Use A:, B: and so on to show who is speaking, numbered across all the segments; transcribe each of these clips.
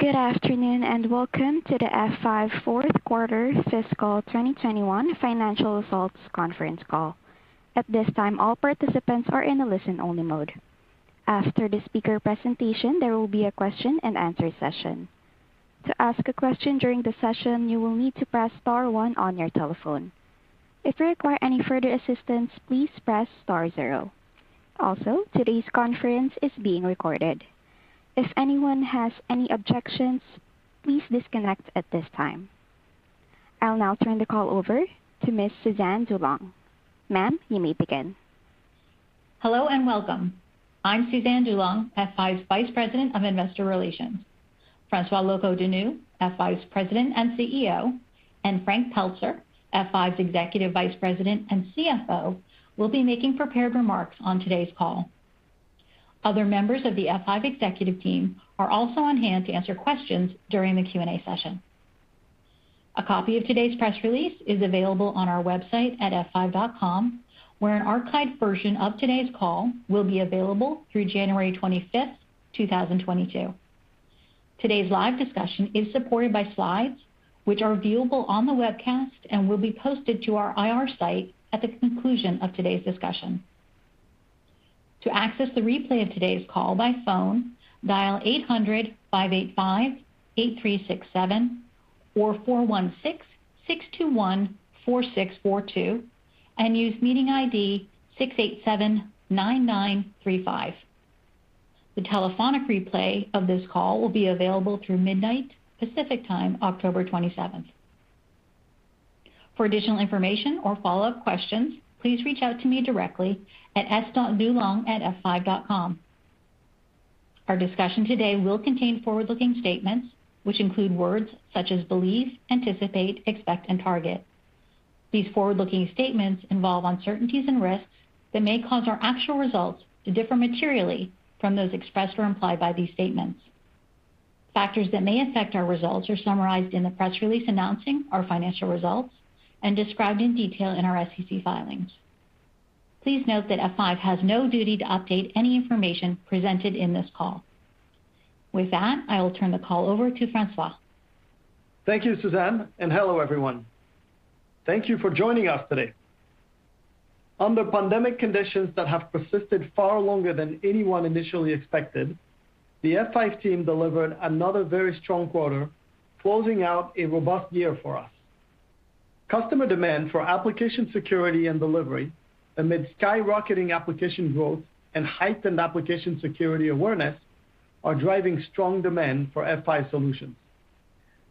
A: Good afternoon, and welcome to the F5 fourth quarter fiscal 2021 financial results conference call. At this time, all participants are in a listen-only mode. After the speaker presentation, there will be a question and answer session. To ask a question during the session, you will need to press star one on your telephone. If you require any further assistance, please press star zero. Also, today's conference is being recorded. If anyone has any objections, please disconnect at this time. I'll now turn the call over to Miss Suzanne DuLong. Ma'am, you may begin.
B: Hello and welcome. I'm Suzanne DuLong, F5's Vice President of Investor Relations. François Locoh-Donou, F5's President and CEO, and Frank Pelzer, F5's Executive Vice President and CFO, will be making prepared remarks on today's call. Other members of the F5 executive team are also on hand to answer questions during the Q&A session. A copy of today's press release is available on our website at f5.com, where an archived version of today's call will be available through January 25th, 2022. Today's live discussion is supported by slides which are viewable on the webcast and will be posted to our IR site at the conclusion of today's discussion. For additional information or follow-up questions, please reach out to me directly at s.dulong@f5.com. Our discussion today will contain forward-looking statements which include words such as believe, anticipate, expect, and target. These forward-looking statements involve uncertainties and risks that may cause our actual results to differ materially from those expressed or implied by these statements. Factors that may affect our results are summarized in the press release announcing our financial results and described in detail in our SEC filings. Please note that F5 has no duty to update any information presented in this call. With that, I will turn the call over to François.
C: Thank you, Suzanne, and hello everyone. Thank you for joining us today. Under pandemic conditions that have persisted far longer than anyone initially expected, the F5 team delivered another very strong quarter, closing out a robust year for us. Customer demand for application security and delivery amid skyrocketing application growth and heightened application security awareness are driving strong demand for F5 solutions.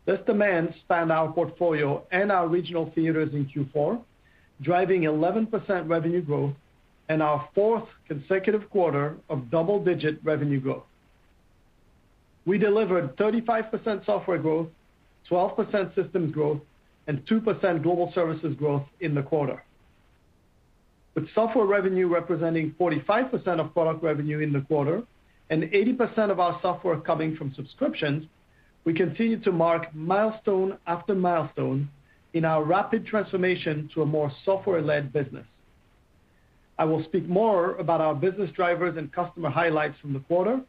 C: This demand spanned our portfolio and our regional theaters in Q4, driving 11% revenue growth and our fourth consecutive quarter of double-digit revenue growth. We delivered 35% software growth, 12% systems growth, and 2% global services growth in the quarter. With software revenue representing 45% of product revenue in the quarter and 80% of our software coming from subscriptions, we continue to mark milestone after milestone in our rapid transformation to a more software-led business. I will speak more about our business drivers and customer highlights from the quarter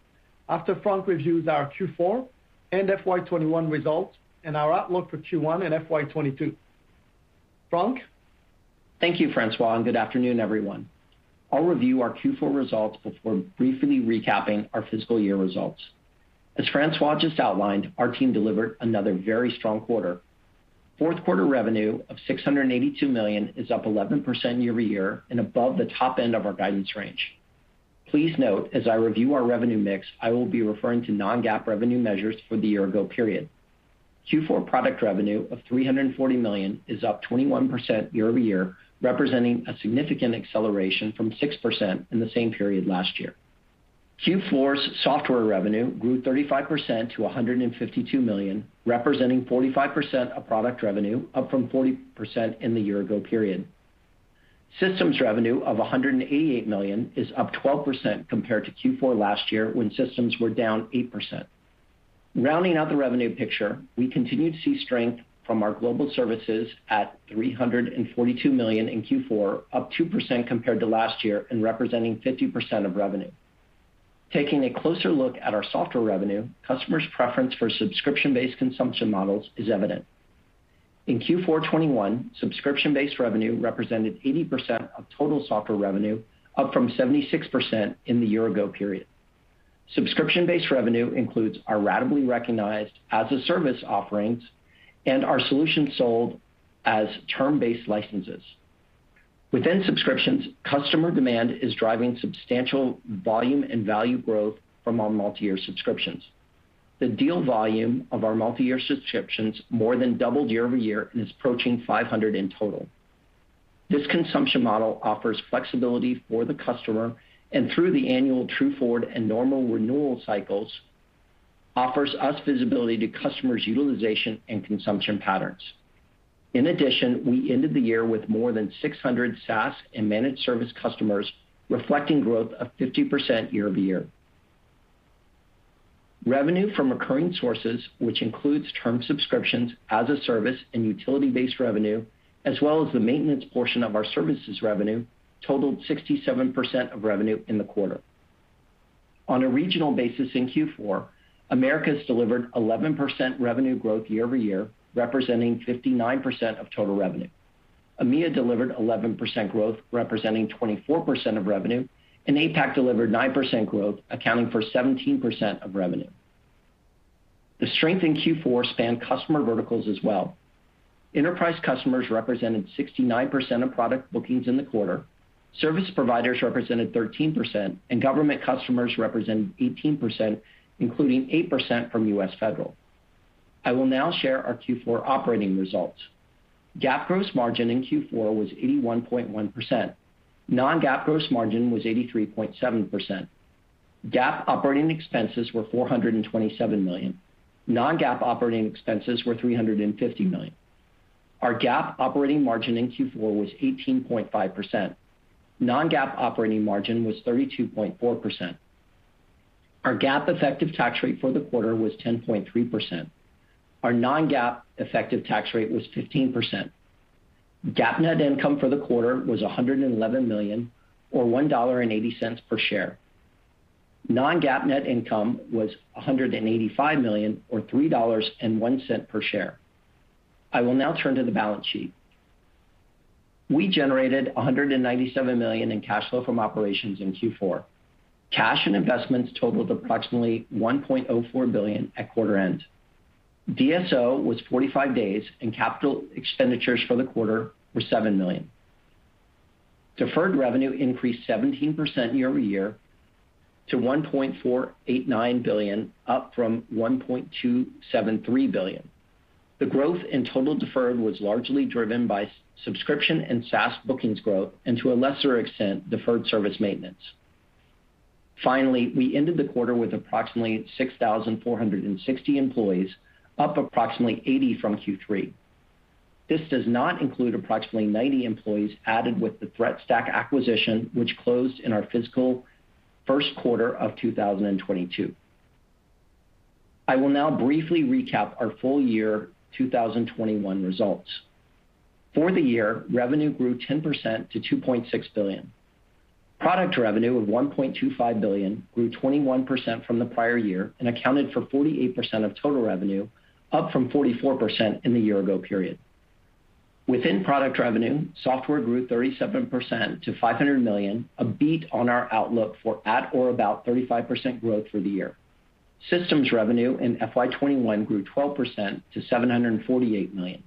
C: after Frank reviews our Q4 and FY 2021 results and our outlook for Q1 and FY 2022. Frank.
D: Thank you, François, and good afternoon, everyone. I'll review our Q4 results before briefly recapping our fiscal year results. As François just outlined, our team delivered another very strong quarter. Fourth quarter revenue of $682 million is up 11% year-over-year and above the top end of our guidance range. Please note, as I review our revenue mix, I will be referring to non-GAAP revenue measures for the year ago period. Q4 product revenue of $340 million is up 21% year-over-year, representing a significant acceleration from 6% in the same period last year. Q4's software revenue grew 35% to $152 million, representing 45% of product revenue, up from 40% in the year ago period. Systems revenue of $188 million is up 12% compared to Q4 last year when systems were down 8%. Rounding out the revenue picture, we continued to see strength from our global services at $342 million in Q4, up 2% compared to last year and representing 50% of revenue. Taking a closer look at our software revenue, customers' preference for subscription-based consumption models is evident. In Q4 2021, subscription-based revenue represented 80% of total software revenue, up from 76% in the year ago period. Subscription-based revenue includes our ratably recognized as-a-service offerings and our solutions sold as term-based licenses. Within subscriptions, customer demand is driving substantial volume and value growth from our multi-year subscriptions. The deal volume of our multi-year subscriptions more than doubled year-over-year and is approaching 500 in total. This consumption model offers flexibility for the customer and through the annual True Forward and normal renewal cycles, offers us visibility to customers' utilization and consumption patterns. In addition, we ended the year with more than 600 SaaS and managed service customers, reflecting growth of 50% year-over-year. Revenue from recurring sources, which includes term subscriptions as-a-service and utility-based revenue, as well as the maintenance portion of our services revenue totaled 67% of revenue in the quarter. On a regional basis in Q4, Americas delivered 11% revenue growth year-over-year, representing 59% of total revenue. EMEA delivered 11% growth, representing 24% of revenue, and APAC delivered 9% growth, accounting for 17% of revenue. The strength in Q4 spanned customer verticals as well. Enterprise customers represented 69% of product bookings in the quarter, service providers represented 13%, and government customers represented 18%, including 8% from U.S. Federal. I will now share our Q4 operating results. GAAP gross margin in Q4 was 81.1%. Non-GAAP gross margin was 83.7%. GAAP operating expenses were $427 million. Non-GAAP operating expenses were $350 million. Our GAAP operating margin in Q4 was 18.5%. Non-GAAP operating margin was 32.4%. Our GAAP effective tax rate for the quarter was 10.3%. Our non-GAAP effective tax rate was 15%. GAAP net income for the quarter was $111 million or $1.80 per share. Non-GAAP net income was $185 million or $3.01 per share. I will now turn to the balance sheet. We generated $197 million in cash flow from operations in Q4. Cash and investments totaled approximately $1.04 billion at quarter end. DSO was 45 days and capital expenditures for the quarter were $7 million. Deferred revenue increased 17% year-over-year to $1.489 billion, up from $1.273 billion. The growth in total deferred was largely driven by subscription and SaaS bookings growth, and to a lesser extent, deferred service maintenance. Finally, we ended the quarter with approximately 6,460 employees, up approximately 80 from Q3. This does not include approximately 90 employees added with the Threat Stack acquisition, which closed in our fiscal first quarter of 2022. I will now briefly recap our full year 2021 results. For the year, revenue grew 10% to $2.6 billion. Product revenue of $1.25 billion grew 21% from the prior year and accounted for 48% of total revenue, up from 44% in the year ago period. Within product revenue, software grew 37% to $500 million, a beat on our outlook for at or about 35% growth for the year. Systems revenue in FY 2021 grew 12% to $748 million.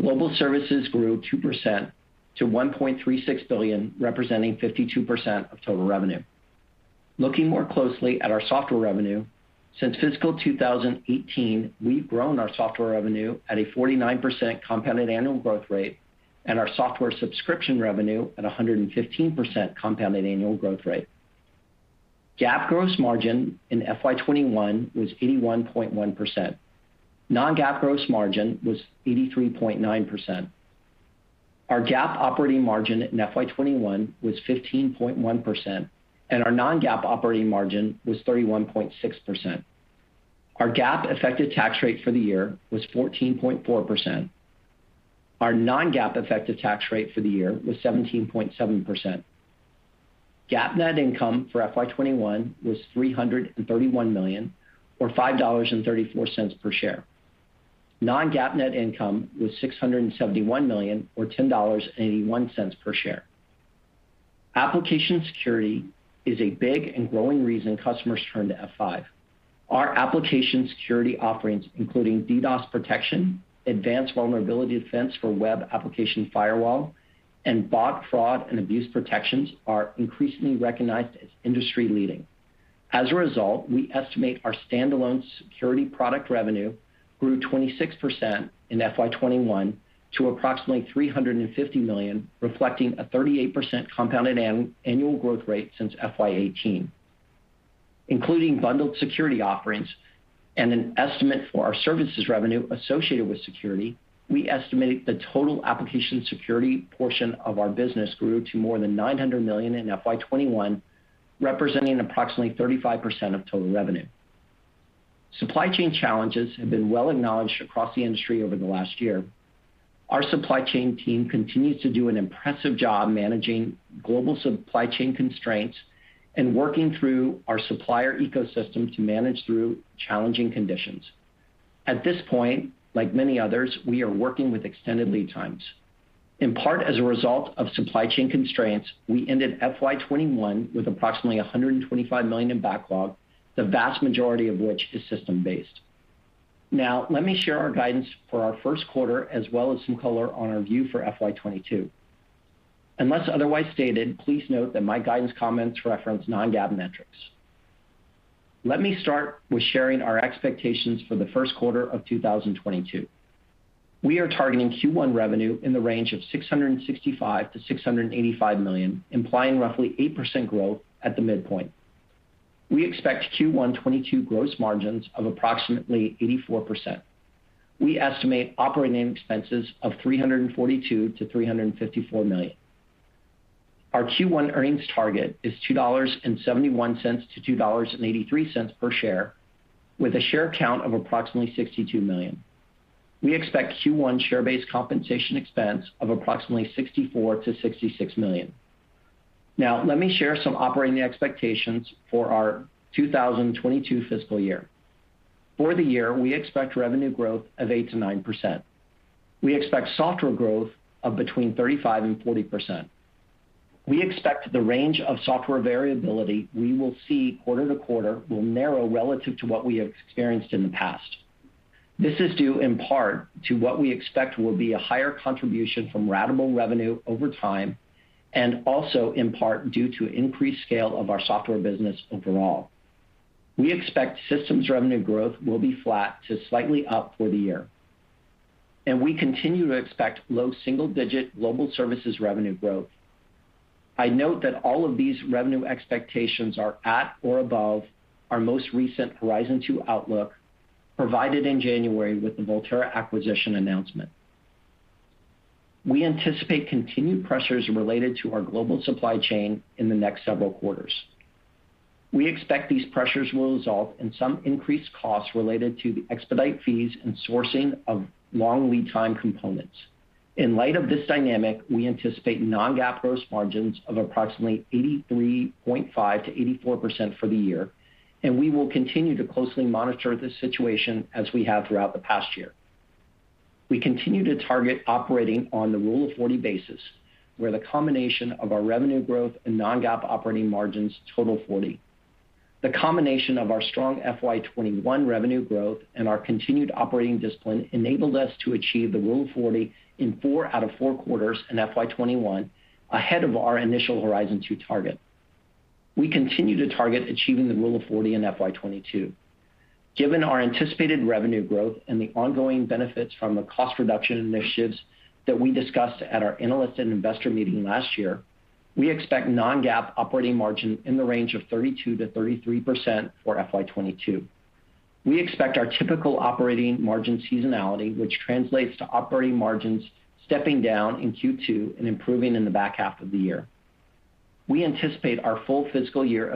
D: Global services grew 2% to $1.36 billion, representing 52% of total revenue. Looking more closely at our software revenue, since fiscal 2018, we've grown our software revenue at a 49% compounded annual growth rate and our software subscription revenue at a 115% compounded annual growth rate. GAAP gross margin in FY 2021 was 81.1%. Non-GAAP gross margin was 83.9%. Our GAAP operating margin in FY 2021 was 15.1%, and our non-GAAP operating margin was 31.6%. Our GAAP effective tax rate for the year was 14.4%. Our non-GAAP effective tax rate for the year was 17.7%. GAAP net income for FY 2021 was $331 million or $5.34 per share. Non-GAAP net income was $671 million or $10.81 per share. Application security is a big and growing reason customers turn to F5. Our application security offerings, including DDoS protection, advanced vulnerability defense for web application firewall, and bot, fraud, and abuse protections are increasingly recognized as industry-leading. As a result, we estimate our standalone security product revenue grew 26% in FY 2021 to approximately $350 million, reflecting a 38% compounded annual growth rate since FY 2018. Including bundled security offerings and an estimate for our services revenue associated with security, we estimate the total application security portion of our business grew to more than $900 million in FY 2021, representing approximately 35% of total revenue. Supply chain challenges have been well acknowledged across the industry over the last year. Our supply chain team continues to do an impressive job managing global supply chain constraints and working through our supplier ecosystem to manage through challenging conditions. At this point, like many others, we are working with extended lead times. In part, as a result of supply chain constraints, we ended FY 2021 with approximately $125 million in backlog, the vast majority of which is system-based. Now, let me share our guidance for our first quarter as well as some color on our view for FY 2022. Unless otherwise stated, please note that my guidance comments reference non-GAAP metrics. Let me start with sharing our expectations for the first quarter of 2022. We are targeting Q1 revenue in the range of $665 million-$685 million, implying roughly 8% growth at the midpoint. We expect Q1 2022 gross margins of approximately 84%. We estimate operating expenses of $342 million-$354 million. Our Q1 earnings target is $2.71-$2.83 per share with a share count of approximately 62 million. We expect Q1 share-based compensation expense of approximately $64 million-$66 million. Now let me share some operating expectations for our 2022 fiscal year. For the year, we expect revenue growth of 8%-9%. We expect software growth of between 35% and 40%. We expect the range of software variability we will see quarter to quarter will narrow relative to what we have experienced in the past. This is due in part to what we expect will be a higher contribution from ratable revenue over time, and also in part due to increased scale of our software business overall. We expect systems revenue growth will be flat to slightly up for the year. We continue to expect low single-digit global services revenue growth. I note that all of these revenue expectations are at or above our most recent Horizon 2 outlook provided in January with the Volterra acquisition announcement. We anticipate continued pressures related to our global supply chain in the next several quarters. We expect these pressures will result in some increased costs related to the expedite fees and sourcing of long lead time components. In light of this dynamic, we anticipate non-GAAP gross margins of approximately 83.5%-84% for the year, and we will continue to closely monitor the situation as we have throughout the past year. We continue to target operating on the Rule of 40 basis, where the combination of our revenue growth and non-GAAP operating margins total 40. The combination of our strong FY 2021 revenue growth and our continued operating discipline enabled us to achieve the Rule of 40 in 4 out of 4 quarters in FY 2021, ahead of our initial Horizon 2 target. We continue to target achieving the Rule of 40 in FY 2022. Given our anticipated revenue growth and the ongoing benefits from the cost reduction initiatives that we discussed at our analyst and investor meeting last year, we expect non-GAAP operating margin in the range of 32%-33% for FY 2022. We expect our typical operating margin seasonality, which translates to operating margins stepping down in Q2 and improving in the back half of the year. We anticipate our full fiscal year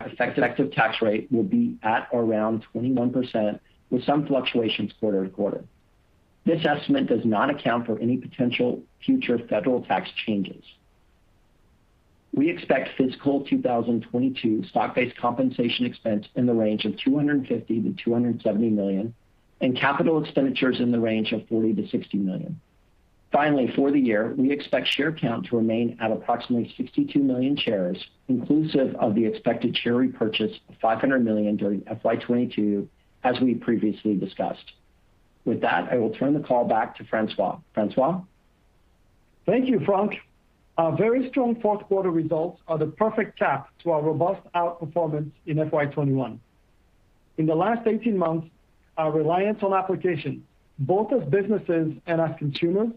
D: effective tax rate will be at or around 21% with some fluctuations quarter to quarter. This estimate does not account for any potential future federal tax changes. We expect fiscal 2022 stock-based compensation expense in the range of $250 million-$270 million and capital expenditures in the range of $40 million-$60 million. Finally, for the year, we expect share count to remain at approximately 62 million shares, inclusive of the expected share repurchase of $500 million during FY 2022, as we previously discussed. With that, I will turn the call back to François. François?
C: Thank you, Frank. Our very strong fourth quarter results are the perfect cap to our robust outperformance in FY 2021. In the last 18 months, our reliance on applications, both as businesses and as consumers,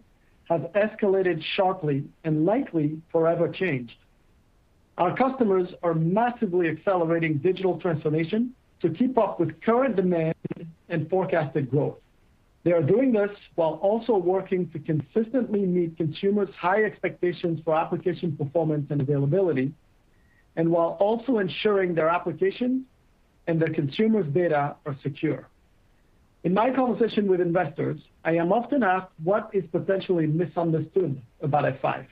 C: has escalated sharply and likely forever changed. Our customers are massively accelerating digital transformation to keep up with current demand and forecasted growth. They are doing this while also working to consistently meet consumers' high expectations for application performance and availability, and while also ensuring their applications and their consumers' data are secure. In my conversation with investors, I am often asked what is potentially misunderstood about F5.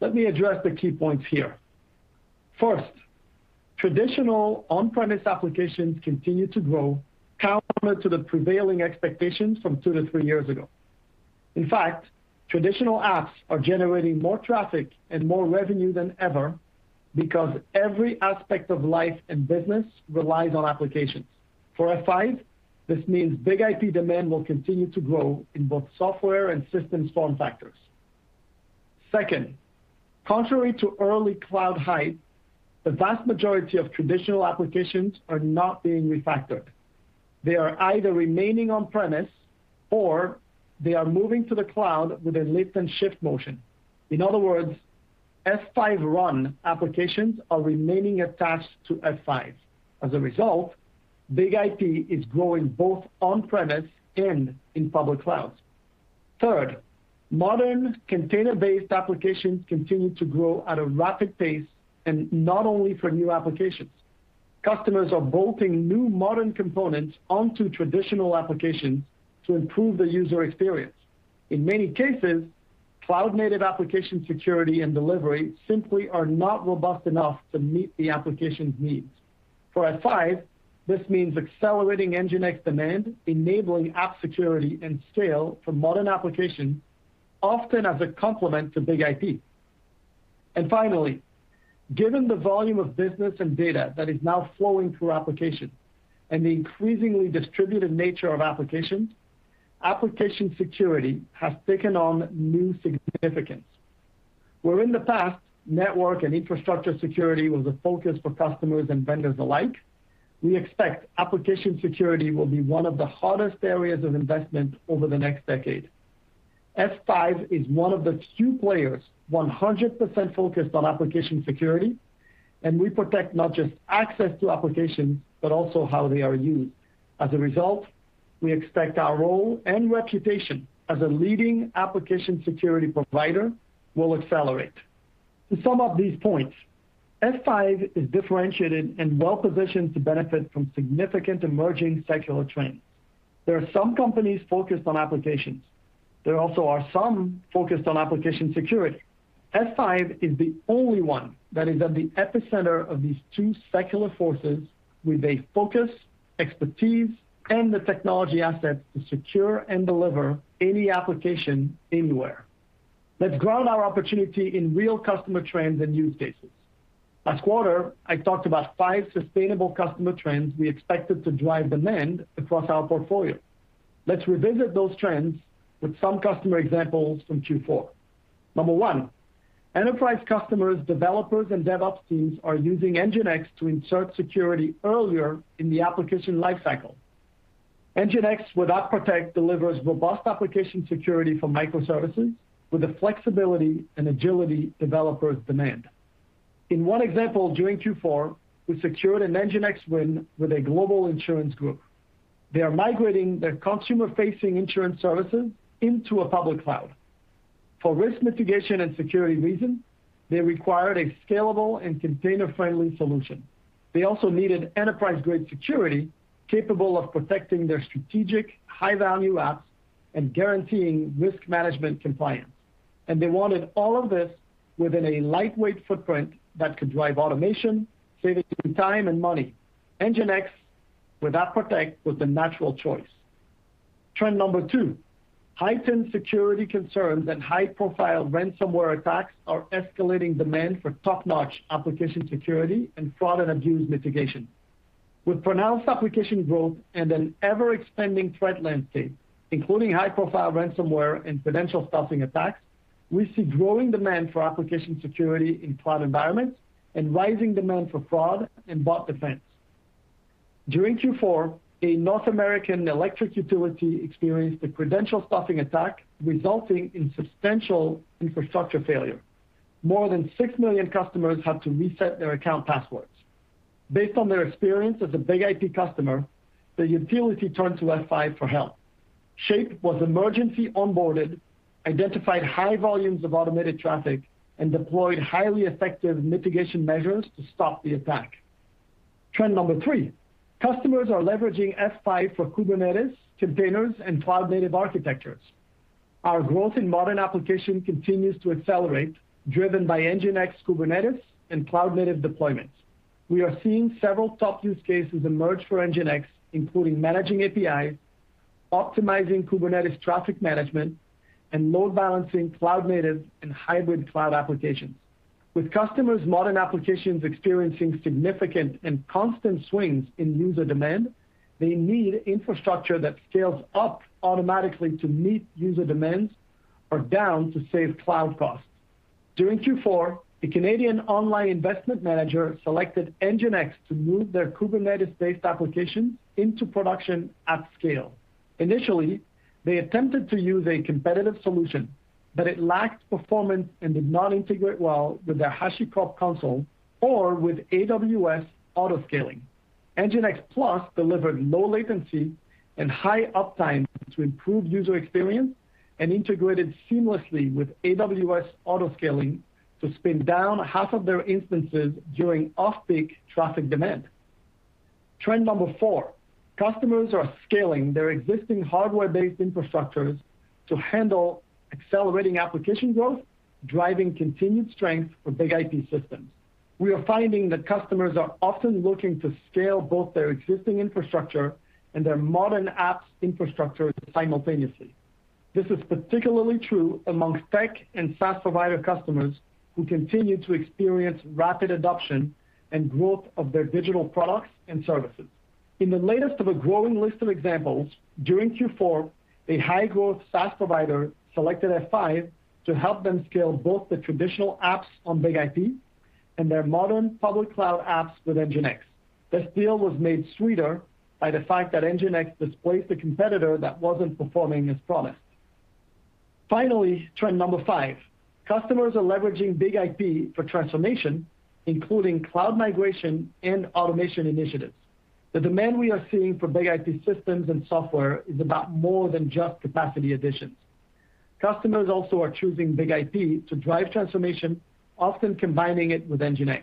C: Let me address the key points here. First, traditional on-premise applications continue to grow counter to the prevailing expectations from 2 to 3 years ago. In fact, traditional apps are generating more traffic and more revenue than ever because every aspect of life and business relies on applications. For F5, this means BIG-IP demand will continue to grow in both software and systems form factors. Second, contrary to early cloud hype, the vast majority of traditional applications are not being refactored. They are either remaining on premise or they are moving to the cloud with a lift and shift motion. In other words, F5 run applications are remaining attached to F5. As a result, BIG-IP is growing both on premise and in public clouds. Third, modern container-based applications continue to grow at a rapid pace, and not only for new applications. Customers are bolting new modern components onto traditional applications to improve the user experience. In many cases, cloud native application security and delivery simply are not robust enough to meet the application's needs. For F5, this means accelerating NGINX demand, enabling app security and scale for modern applications, often as a complement to BIG-IP. Finally, given the volume of business and data that is now flowing through applications and the increasingly distributed nature of applications, application security has taken on new significance. Where in the past, network and infrastructure security was a focus for customers and vendors alike, we expect application security will be one of the hottest areas of investment over the next decade. F5 is one of the few players 100% focused on application security, and we protect not just access to applications, but also how they are used. As a result, we expect our role and reputation as a leading application security provider will accelerate. To sum up these points, F5 is differentiated and well-positioned to benefit from significant emerging secular trends. There are some companies focused on applications. There also are some focused on application security. F5 is the only one that is at the epicenter of these two secular forces with a focus, expertise, and the technology assets to secure and deliver any application anywhere. Let's ground our opportunity in real customer trends and use cases. Last quarter, I talked about five sustainable customer trends we expected to drive demand across our portfolio. Let's revisit those trends with some customer examples from Q4. Number one, enterprise customers, developers, and DevOps teams are using NGINX to insert security earlier in the application lifecycle. NGINX with App Protect delivers robust application security for microservices with the flexibility and agility developers demand. In one example, during Q4, we secured an NGINX win with a global insurance group. They are migrating their consumer-facing insurance services into a public cloud. For risk mitigation and security reasons, they required a scalable and container-friendly solution. They also needed enterprise-grade security capable of protecting their strategic high-value apps and guaranteeing risk management compliance. They wanted all of this within a lightweight footprint that could drive automation, saving them time and money. NGINX with App Protect was the natural choice. Trend number two, heightened security concerns and high-profile ransomware attacks are escalating demand for top-notch application security and fraud and abuse mitigation. With pronounced application growth and an ever-expanding threat landscape, including high-profile ransomware and credential stuffing attacks, we see growing demand for application security in cloud environments and rising demand for fraud and bot defense. During Q4, a North American electric utility experienced a credential stuffing attack resulting in substantial infrastructure failure. More than 6 million customers had to reset their account passwords. Based on their experience as a BIG-IP customer, the utility turned to F5 for help. Shape was emergency onboarded, identified high volumes of automated traffic, and deployed highly effective mitigation measures to stop the attack. Trend number three, customers are leveraging F5 for Kubernetes, containers, and cloud-native architectures. Our growth in modern application continues to accelerate, driven by NGINX Kubernetes and cloud-native deployments. We are seeing several top use cases emerge for NGINX, including managing APIs, optimizing Kubernetes traffic management, and load balancing cloud-native and hybrid cloud applications. With customers' modern applications experiencing significant and constant swings in user demand, they need infrastructure that scales up automatically to meet user demands or down to save cloud costs. During Q4, a Canadian online investment manager selected NGINX to move their Kubernetes-based application into production at scale. Initially, they attempted to use a competitive solution, but it lacked performance and did not integrate well with their HashiCorp Consul or with AWS Auto Scaling. NGINX Plus delivered low latency and high uptime to improve user experience and integrated seamlessly with AWS Auto Scaling to spin down half of their instances during off-peak traffic demand. Trend number four, customers are scaling their existing hardware-based infrastructures to handle accelerating application growth, driving continued strength for BIG-IP systems. We are finding that customers are often looking to scale both their existing infrastructure and their modern apps infrastructure simultaneously. This is particularly true among tech and SaaS provider customers who continue to experience rapid adoption and growth of their digital products and services. In the latest of a growing list of examples, during Q4, a high-growth SaaS provider selected F5 to help them scale both the traditional apps on BIG-IP and their modern public cloud apps with NGINX. This deal was made sweeter by the fact that NGINX displaced a competitor that wasn't performing as promised. Finally, trend number five, customers are leveraging BIG-IP for transformation, including cloud migration and automation initiatives. The demand we are seeing for BIG-IP systems and software is about more than just capacity additions. Customers also are choosing BIG-IP to drive transformation, often combining it with NGINX.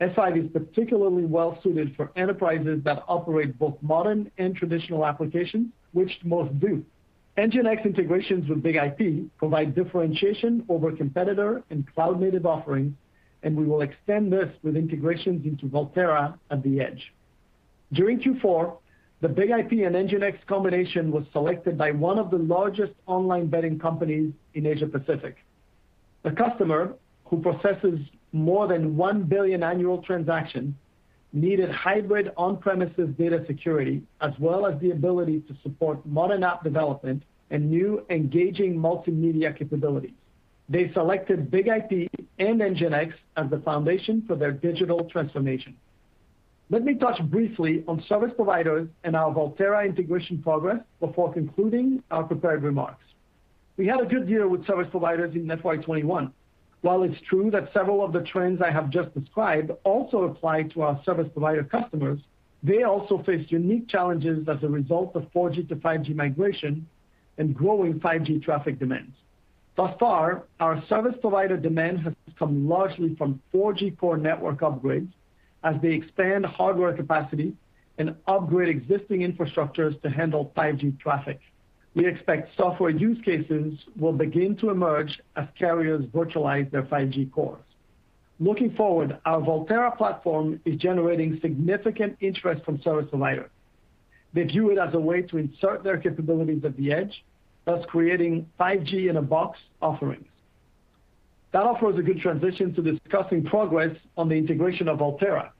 C: F5 is particularly well suited for enterprises that operate both modern and traditional applications, which most do. NGINX integrations with BIG-IP provide differentiation over competitor and cloud-native offerings, and we will extend this with integrations into Volterra at the edge. During Q4, the BIG-IP and NGINX combination was selected by one of the largest online betting companies in Asia-Pacific. The customer, who processes more than 1 billion annual transactions, needed hybrid on-premises data security, as well as the ability to support modern app development and new engaging multimedia capabilities. They selected BIG-IP and NGINX as the foundation for their digital transformation. Let me touch briefly on service providers and our Volterra integration progress before concluding our prepared remarks. We had a good year with service providers in FY 2021. While it's true that several of the trends I have just described also apply to our service provider customers, they also face unique challenges as a result of 4G to 5G migration and growing 5G traffic demands. Thus far, our service provider demand has come largely from 4G core network upgrades as they expand hardware capacity and upgrade existing infrastructures to handle 5G traffic. We expect software use cases will begin to emerge as carriers virtualize their 5G cores. Looking forward, our Volterra platform is generating significant interest from service providers. They view it as a way to insert their capabilities at the edge, thus creating 5G in a box offerings. That offers a good transition to discussing progress on the integration of Volterra.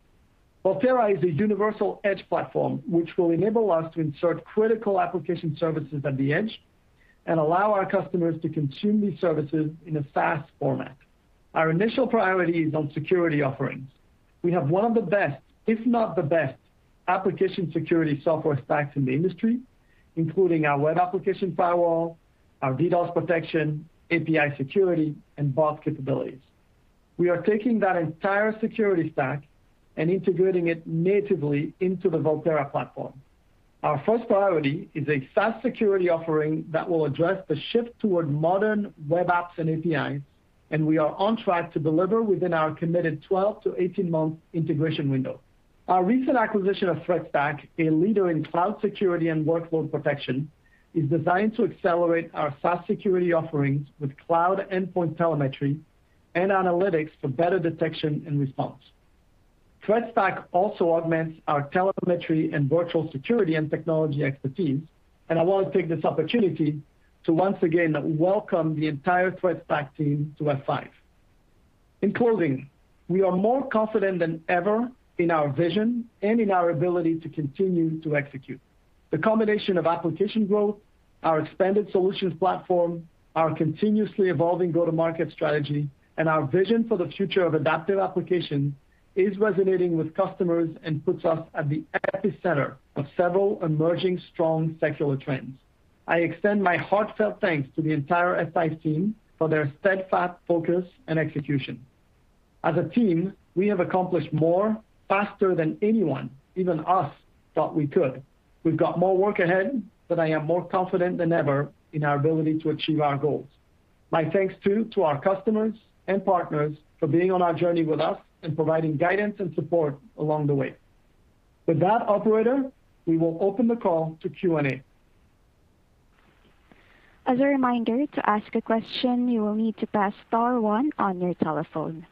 C: Volterra is a universal edge platform which will enable us to insert critical application services at the edge and allow our customers to consume these services in a SaaS format. Our initial priority is on security offerings. We have one of the best, if not the best, application security software stacks in the industry, including our web application firewall, our DDoS protection, API security, and bot capabilities. We are taking that entire security stack and integrating it natively into the Volterra platform. Our first priority is a SaaS security offering that will address the shift toward modern web apps and APIs, and we are on track to deliver within our committed 12-18-month integration window. Our recent acquisition of Threat Stack, a leader in cloud security and workload protection, is designed to accelerate our SaaS security offerings with cloud endpoint telemetry and analytics for better detection and response. Threat Stack also augments our telemetry and virtual security and technology expertise, and I want to take this opportunity to once again welcome the entire Threat Stack team to F5. In closing, we are more confident than ever in our vision and in our ability to continue to execute. The combination of application growth, our expanded solutions platform, our continuously evolving go-to-market strategy, and our vision for the future of adaptive application is resonating with customers and puts us at the epicenter of several emerging strong secular trends. I extend my heartfelt thanks to the entire F5 team for their steadfast focus and execution. As a team, we have accomplished more faster than anyone, even us, thought we could. We've got more work ahead, but I am more confident than ever in our ability to achieve our goals. My thanks too to our customers and partners for being on our journey with us and providing guidance and support along the way. With that, operator, we will open the call to Q&A.
A: As a reminder, to ask a question, you will need to press star one on your telephone.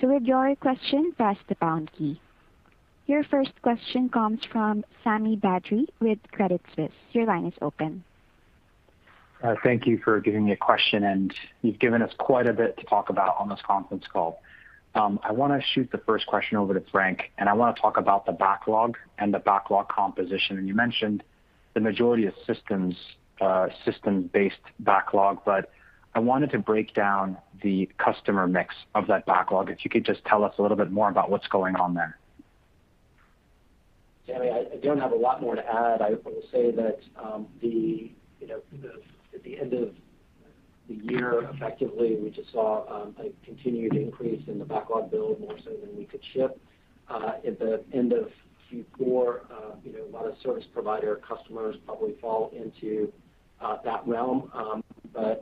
A: To withdraw your question, press the pound key. Your first question comes from Sami Badri with Credit Suisse. Your line is open.
E: Thank you for giving me a question, and you've given us quite a bit to talk about on this conference call. I wanna shoot the first question over to Frank, and I wanna talk about the backlog and the backlog composition. You mentioned the majority is systems-based backlog, but I wanted to break down the customer mix of that backlog, if you could just tell us a little bit more about what's going on there.
D: Sammy, I don't have a lot more to add. I will say that, you know, at the end of the year, effectively, we just saw a continued increase in the backlog build more so than we could ship. At the end of Q4, you know, a lot of service provider customers probably fall into that realm.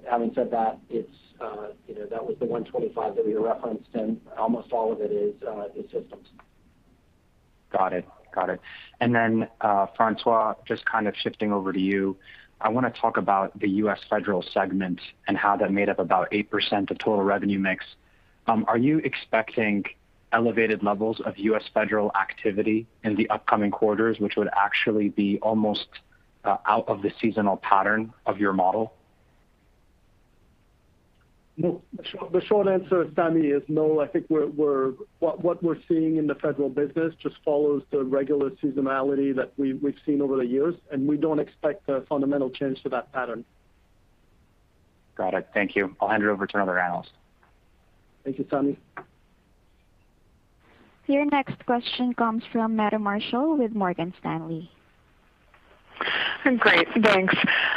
D: Having said that, it's, you know, that was the $125 that we referenced, and almost all of it is systems.
E: Got it. François, just kind of shifting over to you. I wanna talk about the U.S. federal segment and how that made up about 8% of total revenue mix. Are you expecting elevated levels of U.S. federal activity in the upcoming quarters, which would actually be almost out of the seasonal pattern of your model?
C: No. The short answer, Sammy, is no. I think what we're seeing in the federal business just follows the regular seasonality that we've seen over the years, and we don't expect a fundamental change to that pattern.
E: Got it. Thank you. I'll hand it over to another analyst.
C: Thank you, Sami.
A: Your next question comes from Meta Marshall with Morgan Stanley.
F: Great. Thanks.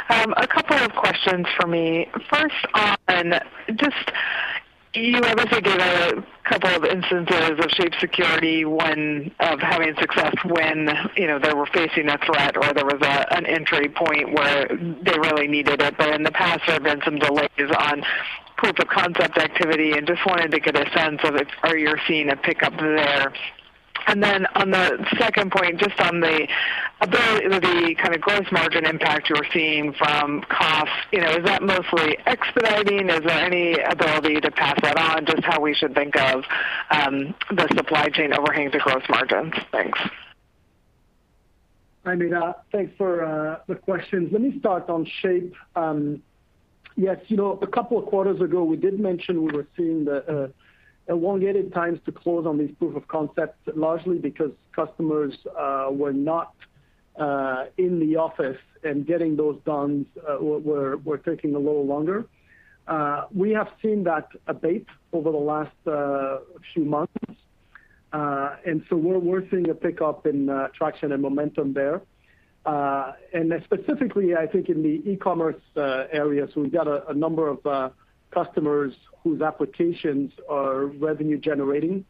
F: A couple of questions for me. First on just you obviously gave a couple of instances of Shape Security having success when, you know, they were facing a threat or there was an entry point where they really needed it. In the past, there have been some delays on proof of concept activity, and I just wanted to get a sense of if you are seeing a pickup there. Then on the second point, just on the kind of gross margin impact you're seeing from costs, you know, is that mostly expediting? Is there any ability to pass that on? Just how we should think of the supply chain overhang to gross margins. Thanks.
C: Hi, Meta. Thanks for the questions. Let me start on Shape. Yes, you know, a couple of quarters ago, we did mention we were seeing the elongated times to close on these proof of concepts, largely because customers were not in the office, and getting those done were taking a little longer. We have seen that abate over the last few months. We're seeing a pickup in traction and momentum there. Specifically, I think in the e-commerce area, we've got a number of customers whose applications are revenue generating,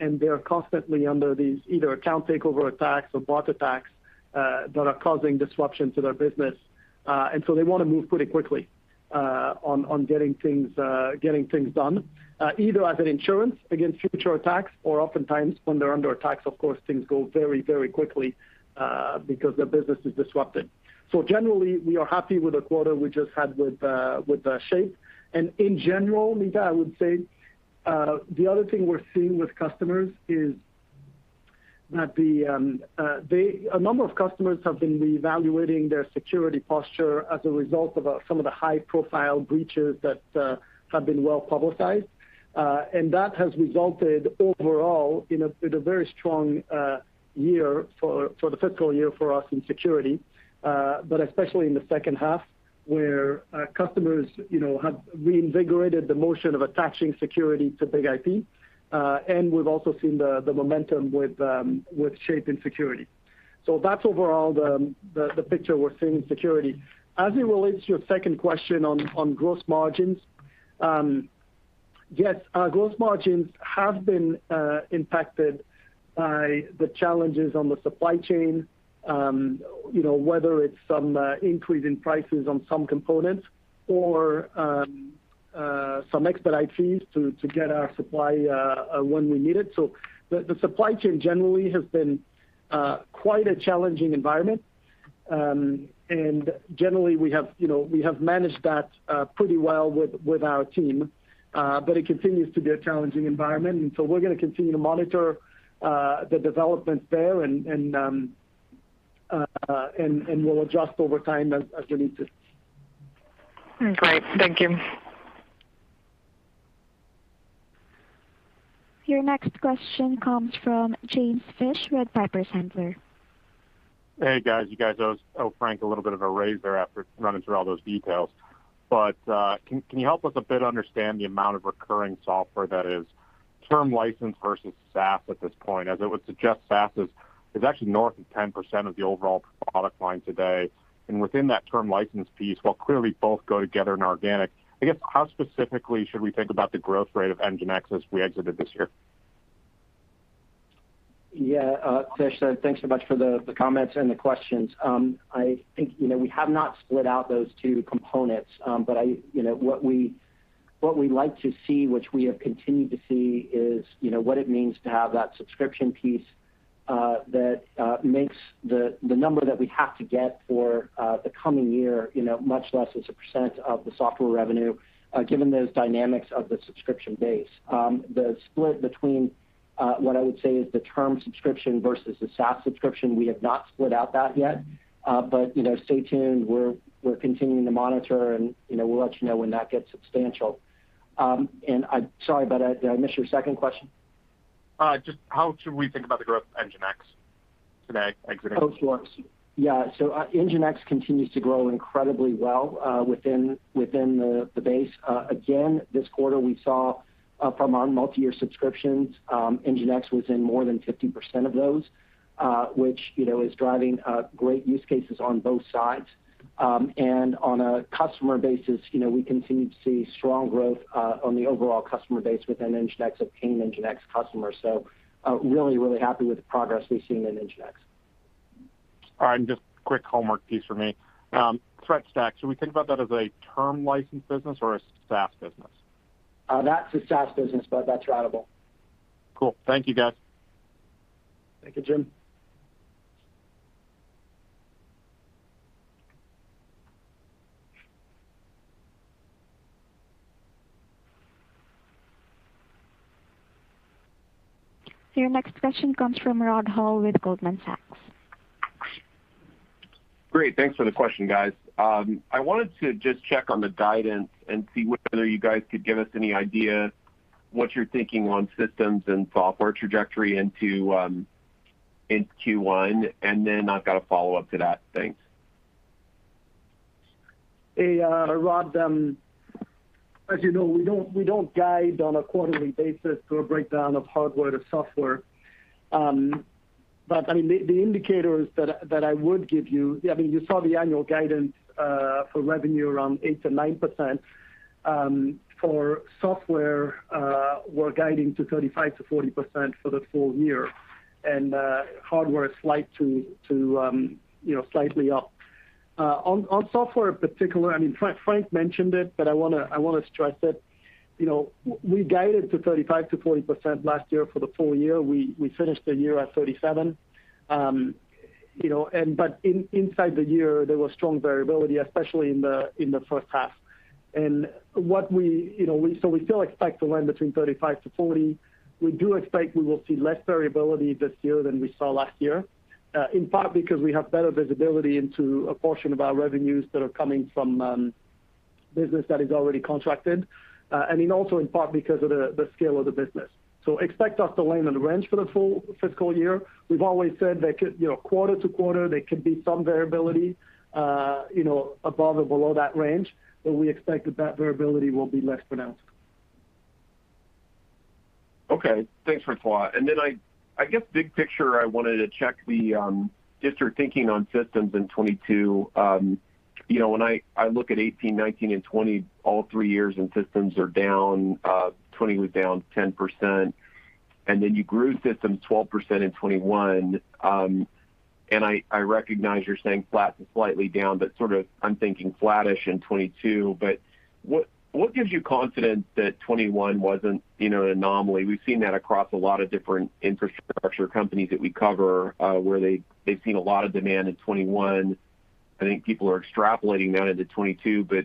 C: and they're constantly under these either account takeover attacks or bot attacks that are causing disruption to their business. They wanna move pretty quickly on getting things done, either as an insurance against future attacks or oftentimes when they're under attacks, of course, things go very quickly because their business is disrupted. Generally, we are happy with the quarter we just had with Shape. In general, Meta, I would say, the other thing we're seeing with customers is that a number of customers have been reevaluating their security posture as a result of some of the high-profile breaches that have been well-publicized. That has resulted overall in a very strong year for the fiscal year for us in security, but especially in the second half, where customers, you know, have reinvigorated the motion of attaching security to BIG-IP. We've also seen the momentum with Shape and security. That's overall the picture we're seeing in security. As it relates to your second question on gross margins, yes, our gross margins have been impacted by the challenges on the supply chain, you know, whether it's some increase in prices on some components or some expedite fees to get our supply when we need it. The supply chain generally has been quite a challenging environment. Generally, we have, you know, managed that pretty well with our team, but it continues to be a challenging environment. We're gonna continue to monitor the developments there and we'll adjust over time as we need to.
F: Great. Thank you.
A: Your next question comes from James Fish, Piper Sandler.
G: Hey, guys. You guys owe Frank a little bit of a raise there after running through all those details. Can you help us a bit understand the amount of recurring software that is term license versus SaaS at this point? As I would suggest, SaaS is actually north of 10% of the overall product line today. Within that term license piece, while clearly both go together in organic, I guess, how specifically should we think about the growth rate of NGINX as we exited this year?
C: Yeah. Fish, thanks so much for the comments and the questions. I think, you know, we have not split out those two components. I, you know, what we like to see, which we have continued to see is, you know, what it means to have that subscription piece, that makes the number that we have to get for the coming year, you know, much less as a percent of the software revenue, given those dynamics of the subscription base. The split between what I would say is the term subscription versus the SaaS subscription, we have not split out that yet. You know, stay tuned. We're continuing to monitor and, you know, we'll let you know when that gets substantial. And I'm sorry, did I miss your second question?
G: Just how should we think about the growth of NGINX today exiting?
C: Oh, sure. Yeah. NGINX continues to grow incredibly well within the base. Again, this quarter we saw from our multi-year subscriptions NGINX was in more than 50% of those, which you know is driving great use cases on both sides. On a customer basis, you know, we continue to see strong growth on the overall customer base within NGINX of paying NGINX customers. Really happy with the progress we've seen in NGINX.
G: All right. Just quick homework piece for me. Threat Stack, should we think about that as a term license business or a SaaS business?
C: That's a SaaS business, but that's ratable.
G: Cool. Thank you, guys.
C: Thank you, Jim.
A: Your next question comes from Rod Hall with Goldman Sachs.
H: Great. Thanks for the question, guys. I wanted to just check on the guidance and see whether you guys could give us any idea what you're thinking on systems and software trajectory into, in Q1. I've got a follow-up to that. Thanks.
C: Hey, Rod. As you know, we don't guide on a quarterly basis to a breakdown of hardware to software. But I mean, the indicators that I would give you. I mean, you saw the annual guidance for revenue around 8%-9%. For software, we're guiding to 35%-40% for the full year. Hardware is slightly up. On software in particular, I mean, Frank mentioned it, but I wanna stress it. You know, we guided to 35%-40% last year for the full year. We finished the year at 37%. You know, but inside the year, there was strong variability, especially in the first half. What we. You know, we still expect to land between 35%-40%. We do expect we will see less variability this year than we saw last year, in part because we have better visibility into a portion of our revenues that are coming from, business that is already contracted, and then also in part because of the scale of the business. Expect us to land on the range for the full fiscal year. We've always said there could, you know, quarter to quarter, there could be some variability, you know, above or below that range, but we expect that variability will be less pronounced.
H: Okay. Thanks for that. I guess big picture, I wanted to check the, just your thinking on systems in 2022. You know, when I look at 2018, 2019, and 2020, all three years in systems are down. 2020 was down 10%. You grew systems 12% in 2021. I recognize you're saying flat to slightly down, but sort of I'm thinking flattish in 2022. What gives you confidence that 2021 wasn't, you know, an anomaly? We've seen that across a lot of different infrastructure companies that we cover, where they've seen a lot of demand in 2021. I think people are extrapolating that into 2022, but,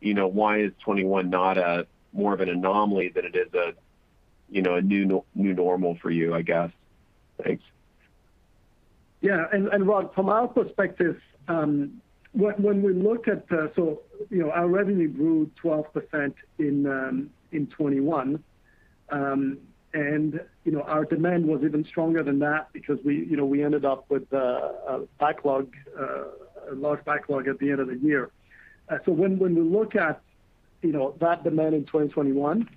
H: you know, why is 2021 not more of an anomaly than it is a, you know, a new normal for you, I guess? Thanks.
C: Rod, from our perspective, you know, our revenue grew 12% in 2021. You know, our demand was even stronger than that because we ended up with a large backlog at the end of the year. When we look at that demand in 2021,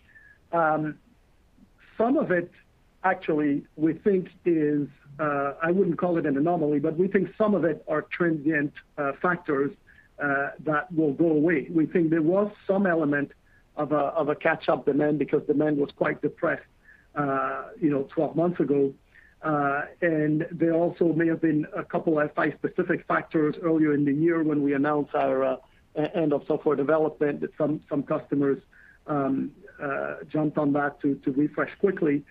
C: some of it actually we think is. I wouldn't call it an anomaly, but we think some of it are transient factors that will go away. We think there was some element of a catch-up demand because demand was quite depressed 12 months ago. There also may have been a couple of five specific factors earlier in the year when we announced our End of Software Development that some customers jumped on that to refresh quickly.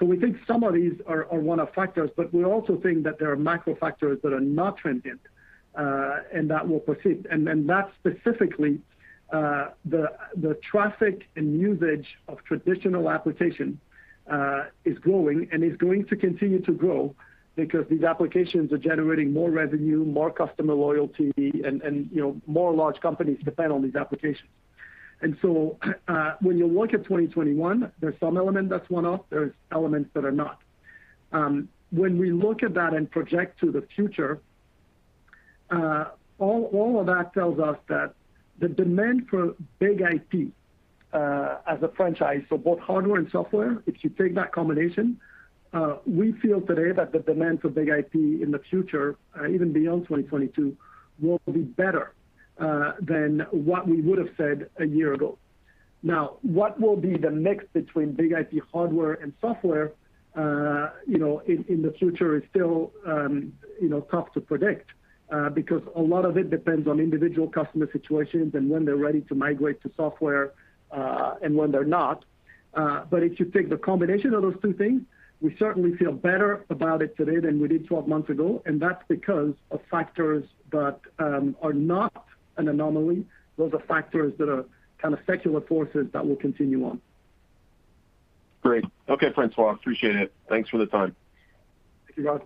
C: We think some of these are one-off factors, but we also think that there are macro factors that are not transient and that will persist. That specifically, the traffic and usage of traditional application is growing and is going to continue to grow because these applications are generating more revenue, more customer loyalty, and you know, more large companies depend on these applications. When you look at 2021, there's some element that's one-off, there's elements that are not. When we look at that and project to the future, all of that tells us that the demand for BIG-IP as a franchise for both hardware and software, if you take that combination, we feel today that the demand for BIG-IP in the future, even beyond 2022, will be better than what we would've said a year ago. Now, what will be the mix between BIG-IP hardware and software, you know, in the future is still, you know, tough to predict, because a lot of it depends on individual customer situations and when they're ready to migrate to software, and when they're not. If you take the combination of those two things, we certainly feel better about it today than we did 12 months ago, and that's because of factors that are not an anomaly. Those are factors that are kind of secular forces that will continue on.
H: Great. Okay, François, appreciate it. Thanks for the time.
C: Thank you, Rod.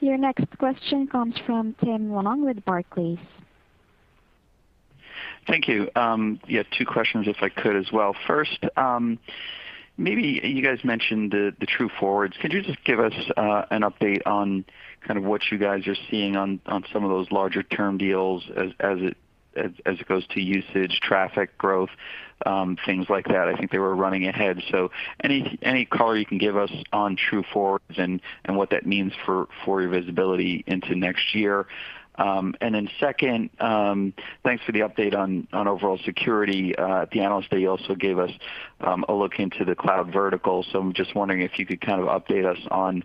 A: Your next question comes from Tim Long with Barclays.
I: Thank you. Yeah, two questions if I could as well. First, maybe you guys mentioned the True Forward. Could you just give us an update on kind of what you guys are seeing on some of those larger term deals as it goes to usage, traffic growth, things like that? I think they were running ahead, so any color you can give us on True Forward and what that means for your visibility into next year. And then second, thanks for the update on overall security. At the Analyst Day, you also gave us a look into the cloud vertical. I'm just wondering if you could kind of update us on,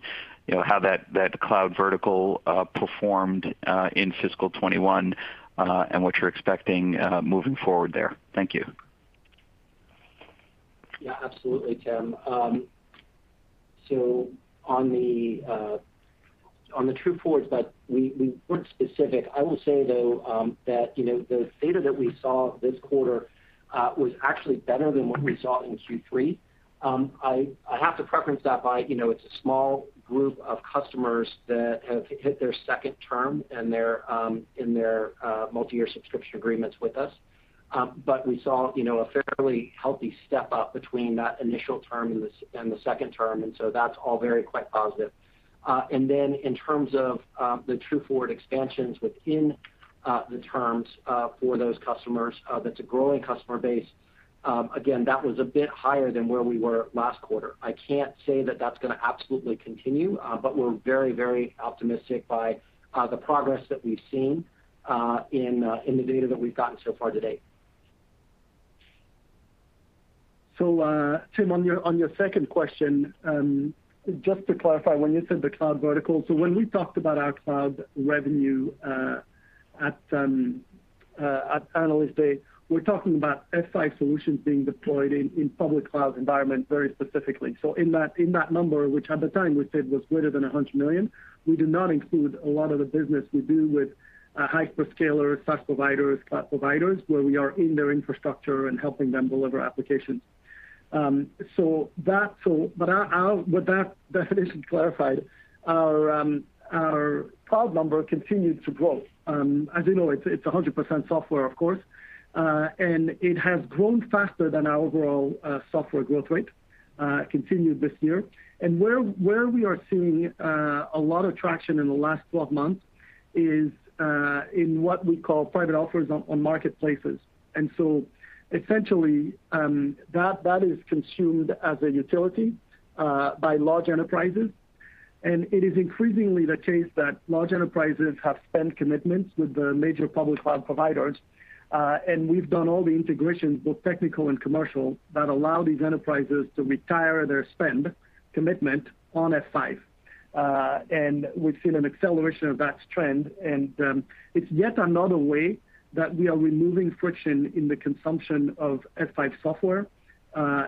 I: you know, how that cloud vertical performed in fiscal 2021 and what you're expecting moving forward there. Thank you.
C: Yeah, absolutely, Tim. So on the True Forwards that we weren't specific. I will say though, that you know, the data that we saw this quarter was actually better than what we saw in Q3. I have to preface that by, you know, it's a small group of customers that have hit their second term in their multi-year subscription agreements with us. But we saw, you know, a fairly healthy step up between that initial term and the second term, and so that's all very quite positive. And then in terms of the True Forward expansions within the terms for those customers, that's a growing customer base. Again, that was a bit higher than where we were last quarter. I can't say that that's gonna absolutely continue, but we're very, very optimistic about the progress that we've seen in the data that we've gotten so far to date. Tim, on your second question, just to clarify when you said the cloud vertical. When we talked about our cloud revenue at Analyst Day, we're talking about F5 solutions being deployed in public cloud environment very specifically. In that number, which at the time we said was greater than $100 million, we do not include a lot of the business we do with hyperscalers, SaaS providers, cloud providers, where we are in their infrastructure and helping them deliver applications. With that definition clarified, our cloud number continued to grow. As you know, it's 100% software, of course. It has grown faster than our overall software growth rate, continued this year. Where we are seeing a lot of traction in the last 12 months is in what we call private offers on marketplaces. Essentially, that is consumed as a utility by large enterprises. It is increasingly the case that large enterprises have spend commitments with the major public cloud providers, and we've done all the integrations, both technical and commercial, that allow these enterprises to retire their spend commitment on F5. We've seen an acceleration of that trend. It's yet another way that we are removing friction in the consumption of F5 software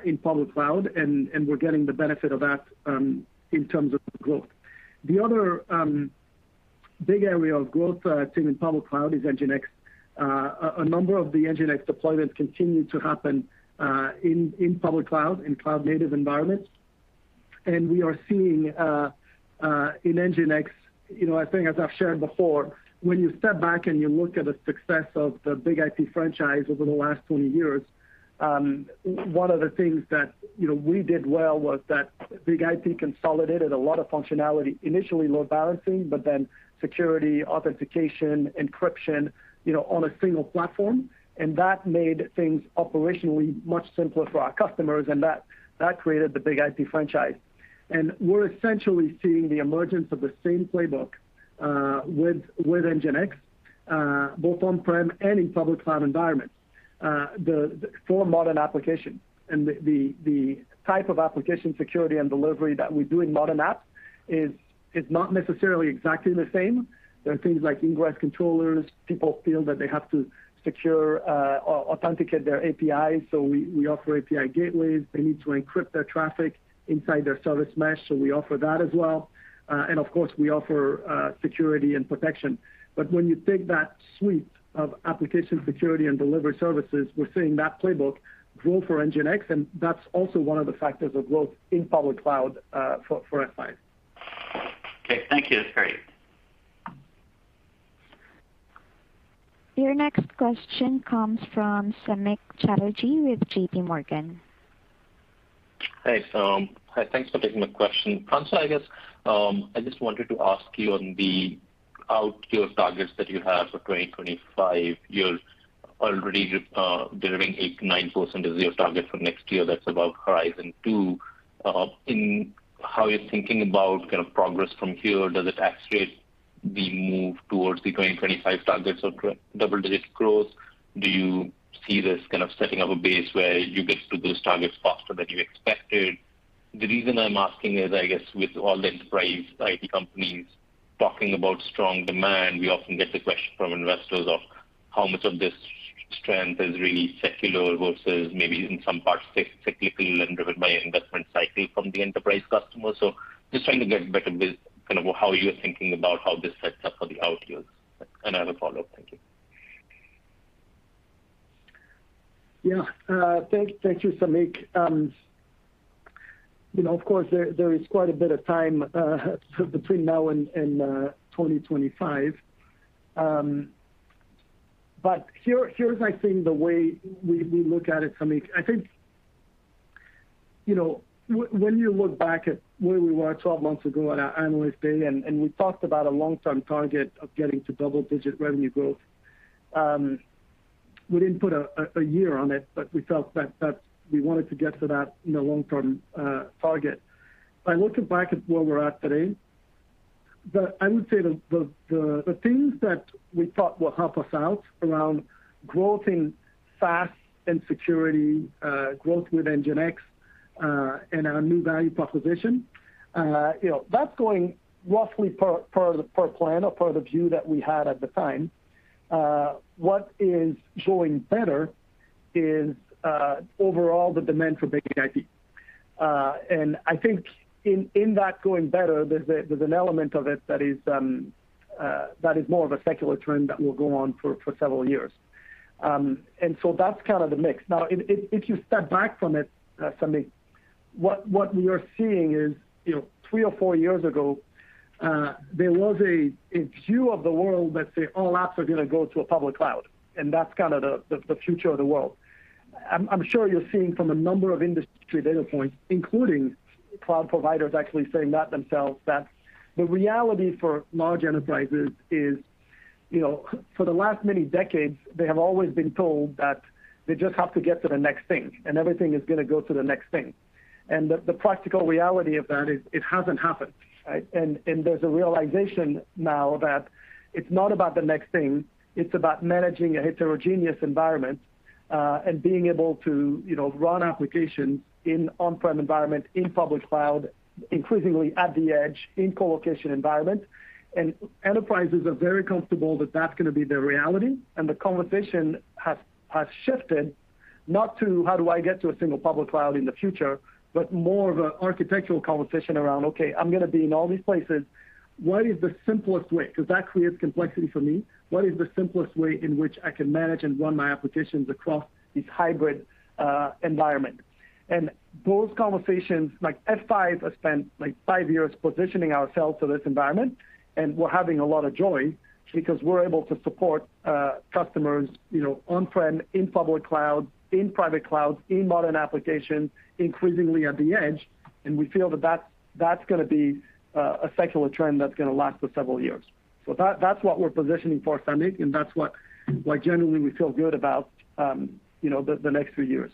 C: in public cloud, and we're getting the benefit of that in terms of growth. The other big area of growth I've seen in public cloud is NGINX. A number of the NGINX deployments continue to happen in public cloud, in cloud native environments. We are seeing in NGINX, you know, I think as I've shared before, when you step back and you look at the success of the BIG-IP franchise over the last 20 years, one of the things that, you know, we did well was that BIG-IP consolidated a lot of functionality, initially load balancing, but then security, authentication, encryption, you know, on a single platform. That made things operationally much simpler for our customers, and that created the BIG-IP franchise. We're essentially seeing the emergence of the same playbook with NGINX both on-prem and in public cloud environments for modern applications. The type of application security and delivery that we do in modern apps is not necessarily exactly the same. There are things like ingress controllers. People feel that they have to secure or authenticate their APIs, so we offer API gateways. They need to encrypt their traffic inside their service mesh, so we offer that as well. Of course, we offer security and protection. When you take that suite of application security and delivery services, we're seeing that playbook grow for NGINX, and that's also one of the factors of growth in public cloud, for F5.
I: Okay, thank you. That's great.
A: Your next question comes from Samik Chatterjee with JPMorgan.
J: Hey, hi, thanks for taking my question. François, I guess, I just wanted to ask you on the outlook targets that you have for 2025. You're already delivering 8%-9% of your target for next year. That's above Horizon 2. In how you're thinking about kind of progress from here, does it actually move towards the 2025 targets of double-digit growth? Do you see this kind of setting up a base where you get to those targets faster than you expected? The reason I'm asking is, I guess, with all the enterprise IT companies talking about strong demand, we often get the question from investors of how much of this strength is really secular versus maybe in some parts technical and driven by investment cycle from the enterprise customers. Just trying to get a better kind of how you're thinking about how this sets up for the outlooks. I have a follow-up. Thank you.
C: Yeah. Thank you, Samik. You know, of course, there is quite a bit of time between now and 2025. But here's, I think, the way we look at it, Samik. I think, you know, when you look back at where we were 12 months ago at our Analyst Day, and we talked about a long-term target of getting to double-digit revenue growth, we didn't put a year on it, but we felt that we wanted to get to that, you know, long-term target. By looking back at where we're at today, I would say the things that we thought would help us out around growth in SaaS and security, growth with NGINX, and our new value proposition, you know, that's going roughly per plan or per the view that we had at the time. What is going better is overall the demand for BIG-IP. I think in that going better, there's an element of it that is more of a secular trend that will go on for several years. That's kind of the mix. Now if you step back from it, Samik, what we are seeing is, you know, three or four years ago, there was a view of the world that said all apps are gonna go to a public cloud, and that's kind of the future of the world. I'm sure you're seeing from a number of industry data points, including cloud providers actually saying that themselves, that the reality for large enterprises is, you know, for the last many decades, they have always been told that they just have to get to the next thing, and everything is gonna go to the next thing. The practical reality of that is it hasn't happened, right? There's a realization now that it's not about the next thing, it's about managing a heterogeneous environment, and being able to, you know, run applications in on-prem environment, in public cloud, increasingly at the edge, in colocation environment. Enterprises are very comfortable that that's gonna be their reality. The conversation has shifted not to, "How do I get to a single public cloud in the future?" but more of a architectural conversation around, "Okay, I'm gonna be in all these places. What is the simplest way? Because that creates complexity for me. What is the simplest way in which I can manage and run my applications across this hybrid environment?" Those conversations, like F5 has spent like five years positioning ourselves for this environment, and we're having a lot of joy because we're able to support customers, you know, on-prem, in public cloud, in private clouds, in modern applications, increasingly at the edge, and we feel that that's gonna be a secular trend that's gonna last for several years. So that's what we're positioning for, Samik, and that's why generally we feel good about, you know, the next few years.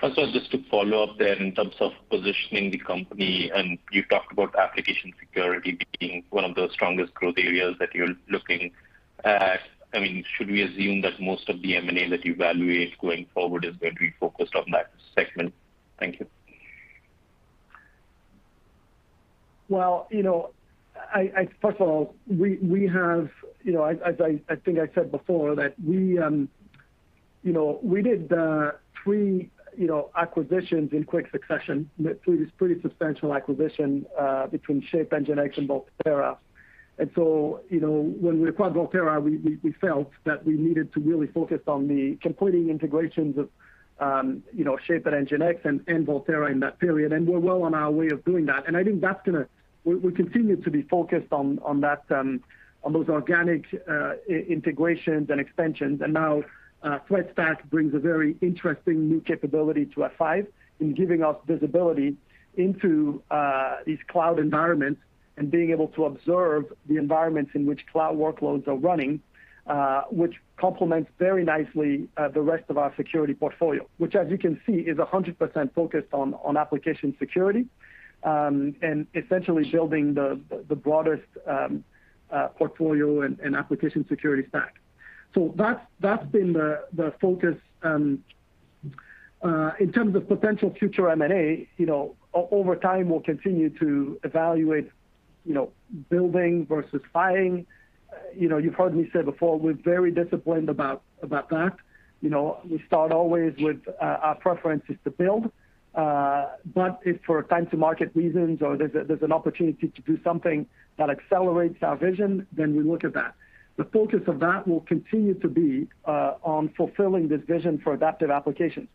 J: Just to follow up there in terms of positioning the company, and you talked about application security being one of the strongest growth areas that you're looking at. I mean, should we assume that most of the M&A that you evaluate going forward is going to be focused on that segment? Thank you.
C: Well, you know, first of all, we have, you know, as I think I said before, that we, you know, we did 3 acquisitions in quick succession. These pretty substantial acquisitions between Shape, NGINX, and Volterra. You know, when we acquired Volterra, we felt that we needed to really focus on completing integrations of, you know, Shape and NGINX and Volterra in that period. We're well on our way of doing that. I think that's going to. We continue to be focused on that, on those organic integrations and extensions. Now, Threat Stack brings a very interesting new capability to F5 in giving us visibility into these cloud environments and being able to observe the environments in which cloud workloads are running, which complements very nicely the rest of our security portfolio, which as you can see, is 100% focused on application security, and essentially building the broadest portfolio and application security stack. That's been the focus. In terms of potential future M&A, you know, over time, we'll continue to evaluate, you know, building versus buying. You know, you've heard me say before, we're very disciplined about that. You know, we start always with our preference is to build, but if for time to market reasons or there's an opportunity to do something that accelerates our vision, then we look at that. The focus of that will continue to be on fulfilling this vision for adaptive applications,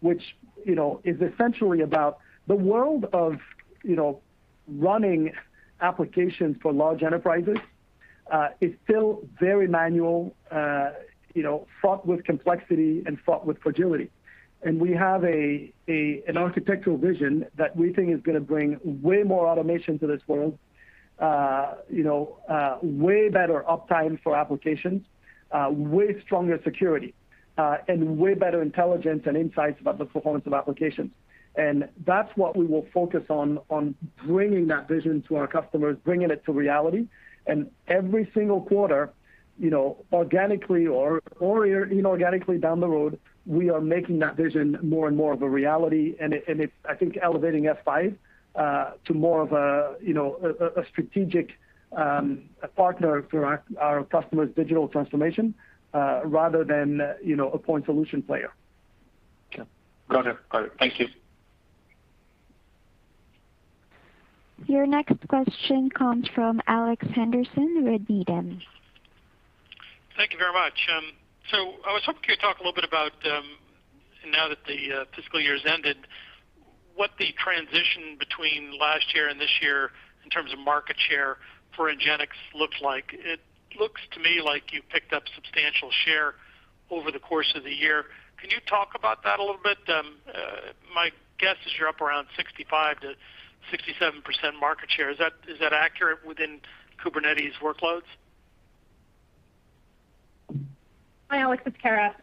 C: which, you know, is essentially about the world of, you know, running applications for large enterprises, is still very manual, you know, fraught with complexity and fraught with fragility. We have an architectural vision that we think is gonna bring way more automation to this world, you know, way better uptime for applications, way stronger security, and way better intelligence and insights about the performance of applications. That's what we will focus on bringing that vision to our customers, bringing it to reality. Every single quarter, you know, organically or inorganically down the road, we are making that vision more and more of a reality. It's, I think, elevating F5 to more of a, you know, a strategic partner for our customers' digital transformation rather than, you know, a point solution player.
J: Okay. Got it. Thank you.
A: Your next question comes from Alex Henderson, Needham & Company.
K: Thank you very much. I was hoping you could talk a little bit about, now that the fiscal year has ended, what the transition between last year and this year in terms of market share for NGINX looks like. It looks to me like you picked up substantial share over the course of the year. Can you talk about that a little bit? My guess is you're up around 65%-67% market share. Is that accurate within Kubernetes workloads?
L: Hi, Alex. It's Kara.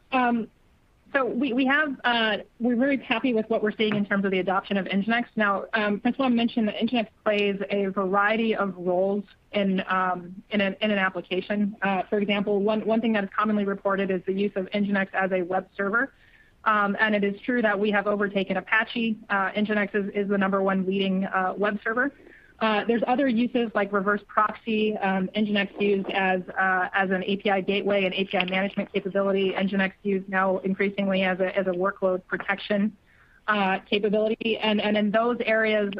L: We're very happy with what we're seeing in terms of the adoption of NGINX. Now, François mentioned that NGINX plays a variety of roles in an application. For example, one thing that is commonly reported is the use of NGINX as a web server. It is true that we have overtaken Apache. NGINX is the number one leading web server. There's other uses like reverse proxy, NGINX used as an API gateway and API management capability. NGINX used now increasingly as a workload protection capability. In those areas,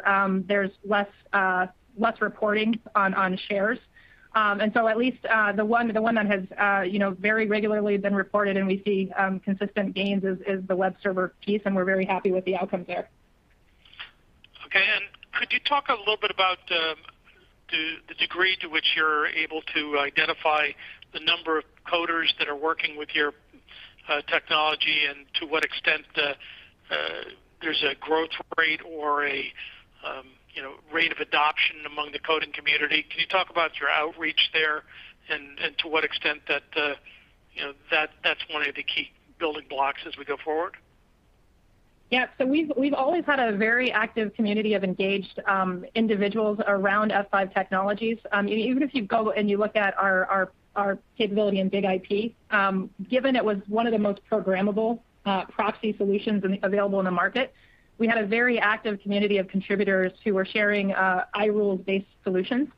L: there's less reporting on shares. At least the one that has, you know, very regularly been reported and we see consistent gains is the web server piece, and we're very happy with the outcome there.
K: Okay. Could you talk a little bit about the degree to which you're able to identify the number of coders that are working with your technology and to what extent there's a growth rate or a you know rate of adoption among the coding community? Can you talk about your outreach there and to what extent that you know that's one of the key building blocks as we go forward?
L: Yeah. We've always had a very active community of engaged individuals around F5 technologies. Even if you go and you look at our capability in BIG-IP, given it was one of the most programmable proxy solutions available in the market, we had a very active community of contributors who were sharing iRules-based solutions,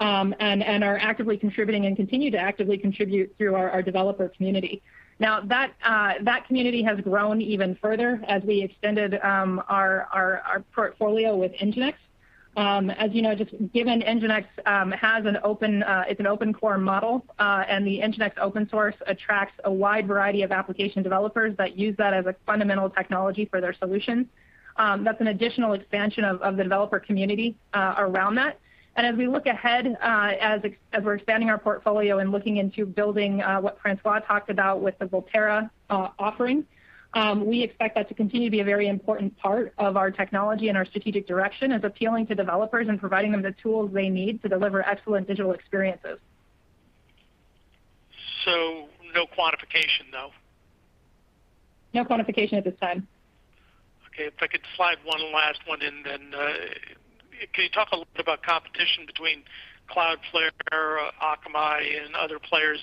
L: and are actively contributing and continue to actively contribute through our developer community. Now that community has grown even further as we extended our portfolio with NGINX. As you know, just given NGINX has an open, it's an open core model, and the NGINX open source attracts a wide variety of application developers that use that as a fundamental technology for their solutions, that's an additional expansion of the developer community around that. As we look ahead, as we're expanding our portfolio and looking into building what François talked about with the Volterra offering, we expect that to continue to be a very important part of our technology and our strategic direction is appealing to developers and providing them the tools they need to deliver excellent digital experiences.
K: No quantification though?
L: No quantification at this time.
K: Okay. If I could slide one last one in then, can you talk a little bit about competition between Cloudflare, Akamai, and other players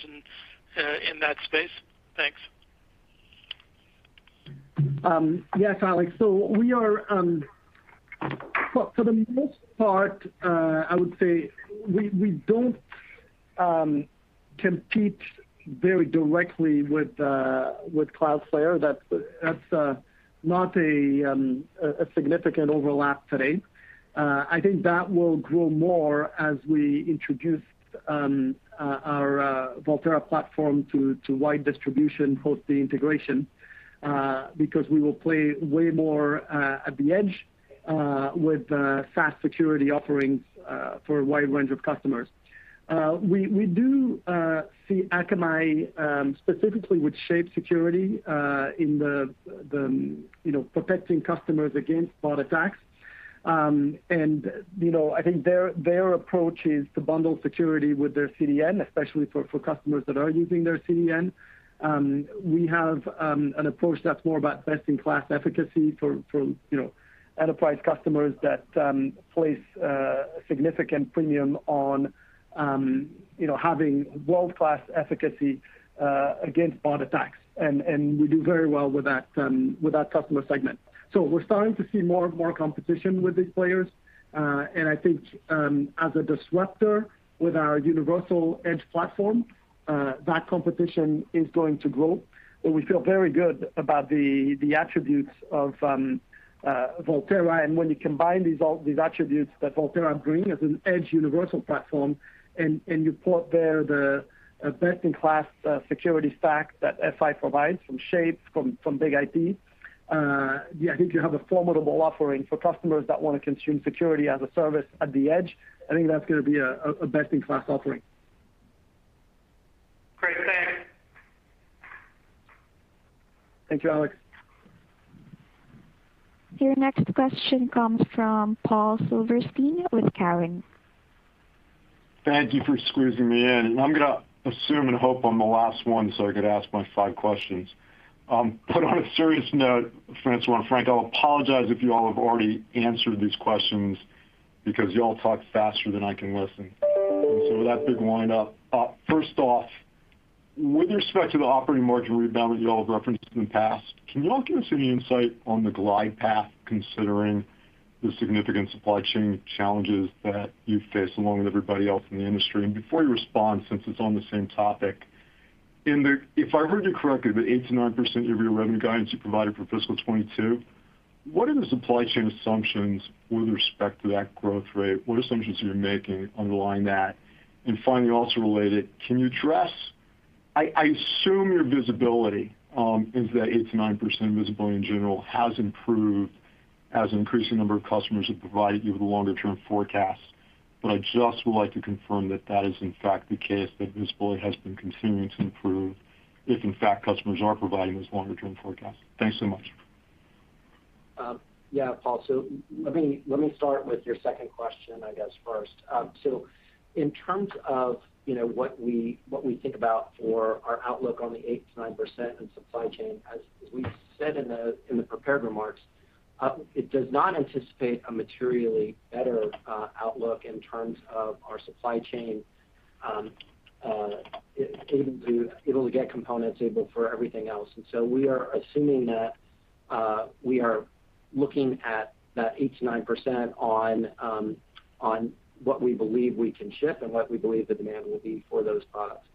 K: in that space? Thanks.
C: Yes, Alex. We are, for the most part, I would say we don't compete very directly with Cloudflare. That's not a significant overlap today. I think that will grow more as we introduce our Volterra platform to wide distribution post the integration, because we will play way more at the edge with SaaS security offerings for a wide range of customers. We do see Akamai, specifically with Shape Security, in the, you know, protecting customers against bot attacks. You know, I think their approach is to bundle security with their CDN, especially for customers that are using their CDN. We have an approach that's more about best-in-class efficacy for you know enterprise customers that place a significant premium on you know having world-class efficacy against bot attacks, and we do very well with that customer segment. We're starting to see more and more competition with these players. I think as a disruptor with our universal edge platform that competition is going to grow. We feel very good about the attributes of Volterra. When you combine these attributes that Volterra bring as an edge universal platform and you put there the best-in-class security stack that F5 provides from Shape, from BIG-IP, yeah, I think you have a formidable offering for customers that wanna consume security as a service at the edge. I think that's gonna be a best-in-class offering.
K: Great. Thanks.
C: Thank you, Alex.
A: Your next question comes from Paul Silverstein with Cowen.
M: Thank you for squeezing me in. I'm gonna assume and hope I'm the last one, so I could ask my five questions. But on a serious note, François and Frank, I'll apologize if you all have already answered these questions because y'all talk faster than I can listen. With that big line up, first off, with respect to the operating margin rebound that y'all have referenced in the past, can y'all give us any insight on the glide path considering the significant supply chain challenges that you face along with everybody else in the industry? Before you respond, since it's on the same topic, if I heard you correctly, the 8%-9% year-over-year revenue guidance you provided for fiscal 2022, what are the supply chain assumptions with respect to that growth rate? What assumptions are you making underlying that? Finally, also related, can you address. I assume your visibility is that 8%-9% visibility in general has improved as an increasing number of customers have provided you with a longer term forecast. I just would like to confirm that that is in fact the case, that visibility has been continuing to improve if in fact customers are providing this longer term forecast. Thanks so much.
D: Yeah, Paul. Let me start with your second question, I guess first. In terms of, you know, what we think about for our outlook on the 8%-9% and supply chain, as we said in the prepared remarks, it does not anticipate a materially better outlook in terms of our supply chain able to get components for everything else. We are assuming that we are looking at that 8%-9% on what we believe we can ship and what we believe the demand will be for those products.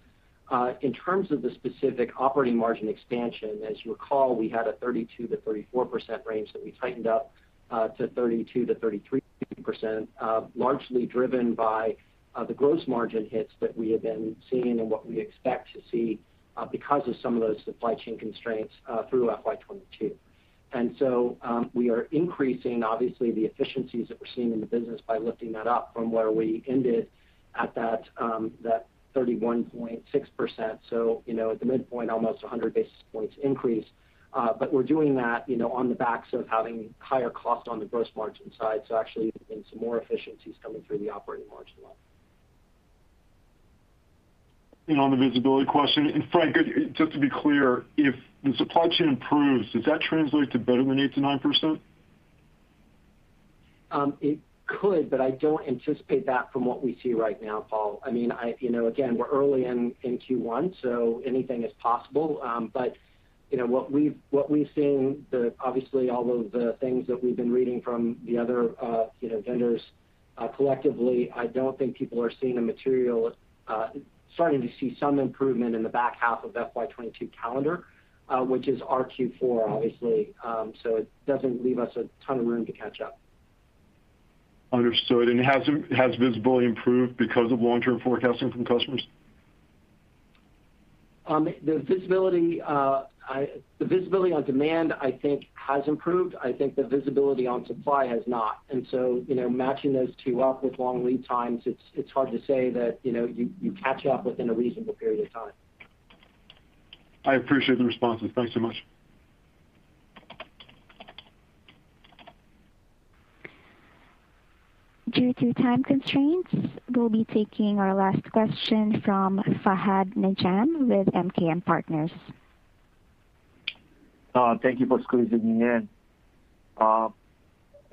D: In terms of the specific operating margin expansion, as you recall, we had a 32%-34% range that we tightened up to 32%-33%, largely driven by the gross margin hits that we have been seeing and what we expect to see because of some of those supply chain constraints through FY 2022. We are increasing obviously the efficiencies that we're seeing in the business by lifting that up from where we ended at that 31.6%. You know, at the midpoint, almost 100 basis points increase. But we're doing that, you know, on the backs of having higher costs on the gross margin side. Actually, I think some more efficiencies coming through the operating margin line.
M: On the visibility question, and Frank, just to be clear, if the supply chain improves, does that translate to better than 8%-9%?
D: It could, but I don't anticipate that from what we see right now, Paul. I mean, you know, again, we're early in Q1, so anything is possible. You know, what we've seen obviously all of the things that we've been reading from the other, you know, vendors collectively, I don't think people are seeing materially starting to see some improvement in the back half of FY 2022 calendar, which is our Q4 obviously. It doesn't leave us a ton of room to catch up.
M: Understood. Has visibility improved because of long-term forecasting from customers?
D: The visibility on demand, I think has improved. I think the visibility on supply has not. You know, matching those two up with long lead times, it's hard to say that, you know, you catch up within a reasonable period of time.
M: I appreciate the responses. Thanks so much.
A: Due to time constraints, we'll be taking our last question from Fahad Najam with MKM Partners.
N: Thank you for squeezing me in. I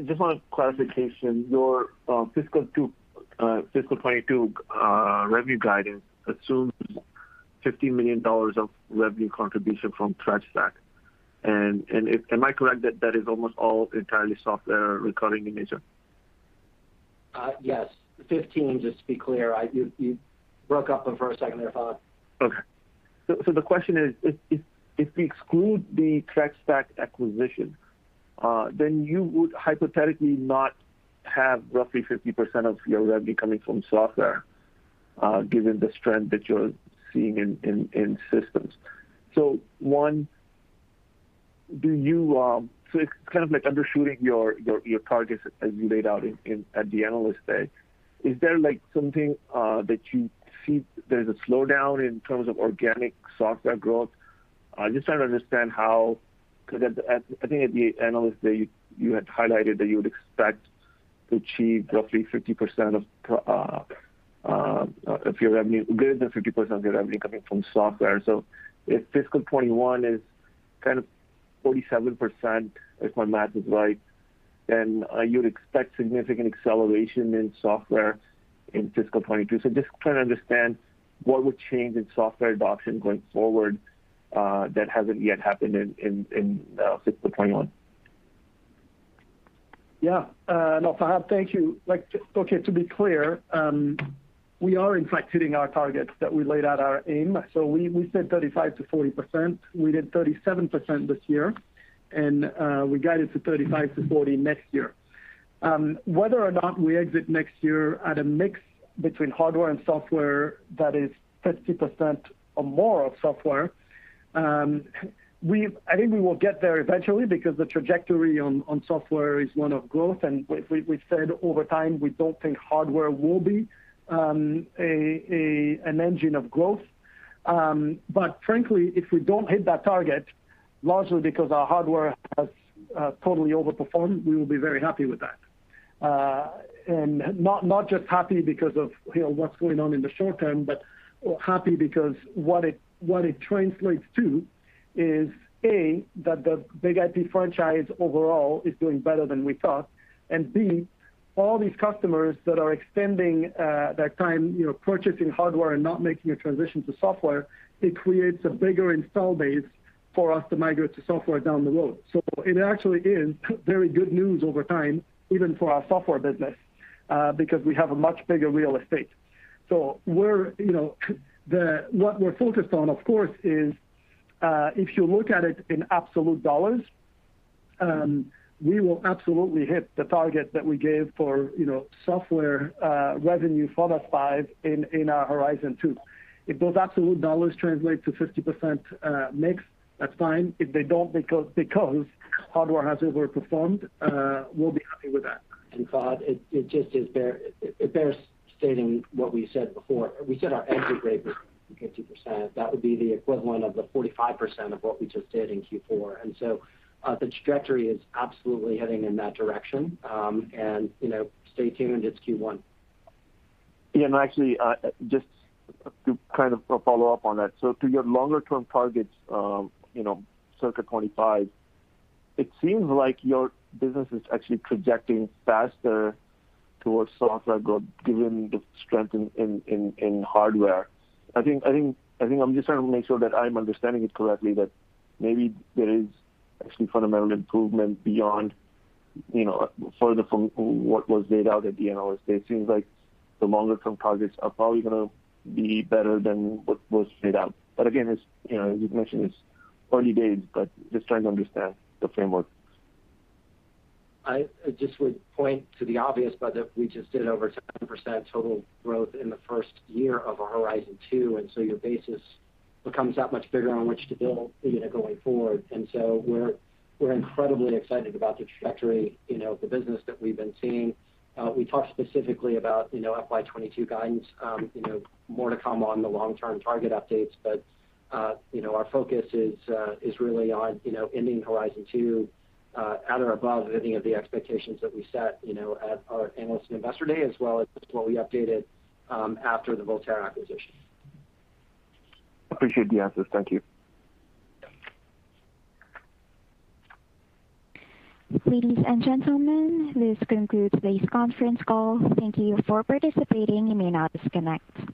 N: just want a clarification. Your fiscal 2022 revenue guidance assumes $50 million of revenue contribution from Threat Stack. Am I correct that that is almost all entirely software recurring in nature?
D: Yes. 15, just to be clear. You broke up for a second there, Fahad.
N: Okay. The question is, if we exclude the Threat Stack acquisition, then you would hypothetically not have roughly 50% of your revenue coming from software, given the strength that you're seeing in systems. It's kind of like undershooting your targets as you laid out at the Analyst Day. Is there like something that you see there's a slowdown in terms of organic software growth? I'm just trying to understand how. 'Cause at, I think at the Analyst Day, you had highlighted that you would expect to achieve roughly 50% of your revenue, greater than 50% of your revenue coming from software. If fiscal 2021 is kind of 47%, if my math is right, then you'd expect significant acceleration in software in fiscal 2022. Just trying to understand what would change in software adoption going forward, that hasn't yet happened in fiscal 2021.
C: Yeah. No, Fahad, thank you. Like, okay, to be clear, we are in fact hitting our targets that we laid out our aim. We said 35%-40%. We did 37% this year. We guided to 35%-40% next year. Whether or not we exit next year at a mix between hardware and software that is 50% or more of software, we've. I think we will get there eventually because the trajectory on software is one of growth. We've said over time, we don't think hardware will be an engine of growth. But frankly, if we don't hit that target, largely because our hardware has totally overperformed, we will be very happy with that. Not just happy because of, you know, what's going on in the short term, but happy because what it translates to is A, that the BIG-IP franchise overall is doing better than we thought, and B, all these customers that are extending their term, you know, purchasing hardware and not making a transition to software. It creates a bigger installed base for us to migrate to software down the road. It actually is very good news over time, even for our software business, because we have a much bigger real estate. We're, you know, what we're focused on, of course, is if you look at it in absolute dollars, we will absolutely hit the target that we gave for, you know, software revenue for FY 2025 in our Horizon 2. If those absolute dollars translate to 50%, that's fine. If they don't because hardware has overperformed, we'll be happy with that.
D: Fahad, it just bears stating what we said before. We said our entry rate was 50%. That would be the equivalent of the 45% of what we just did in Q4. The trajectory is absolutely heading in that direction. You know, stay tuned. It's Q1.
N: Yeah, no, actually, just to kind of follow up on that. So to your longer term targets, you know, circa 2025, it seems like your business is actually projecting faster towards software growth given the strength in hardware. I think I'm just trying to make sure that I'm understanding it correctly, that maybe there is actually fundamental improvement beyond, you know, further from what was laid out at the Analyst Day. It seems like the longer term targets are probably gonna be better than what was laid out. But again, it's, you know, as you've mentioned, it's early days, but just trying to understand the framework.
D: I just would point to the obvious, but that we just did over 10% total growth in the first year of our Horizon 2, and so your basis becomes that much bigger on which to build, you know, going forward. We're incredibly excited about the trajectory, you know, of the business that we've been seeing. We talked specifically about, you know, FY 2022 guidance. More to come on the long-term target updates, but our focus is really on, you know, ending Horizon 2 at or above any of the expectations that we set, you know, at our Analyst and Investor Day, as well as what we updated after the Volterra acquisition.
N: Appreciate the answers. Thank you.
A: Ladies and gentlemen, this concludes today's conference call. Thank you for participating. You may now disconnect.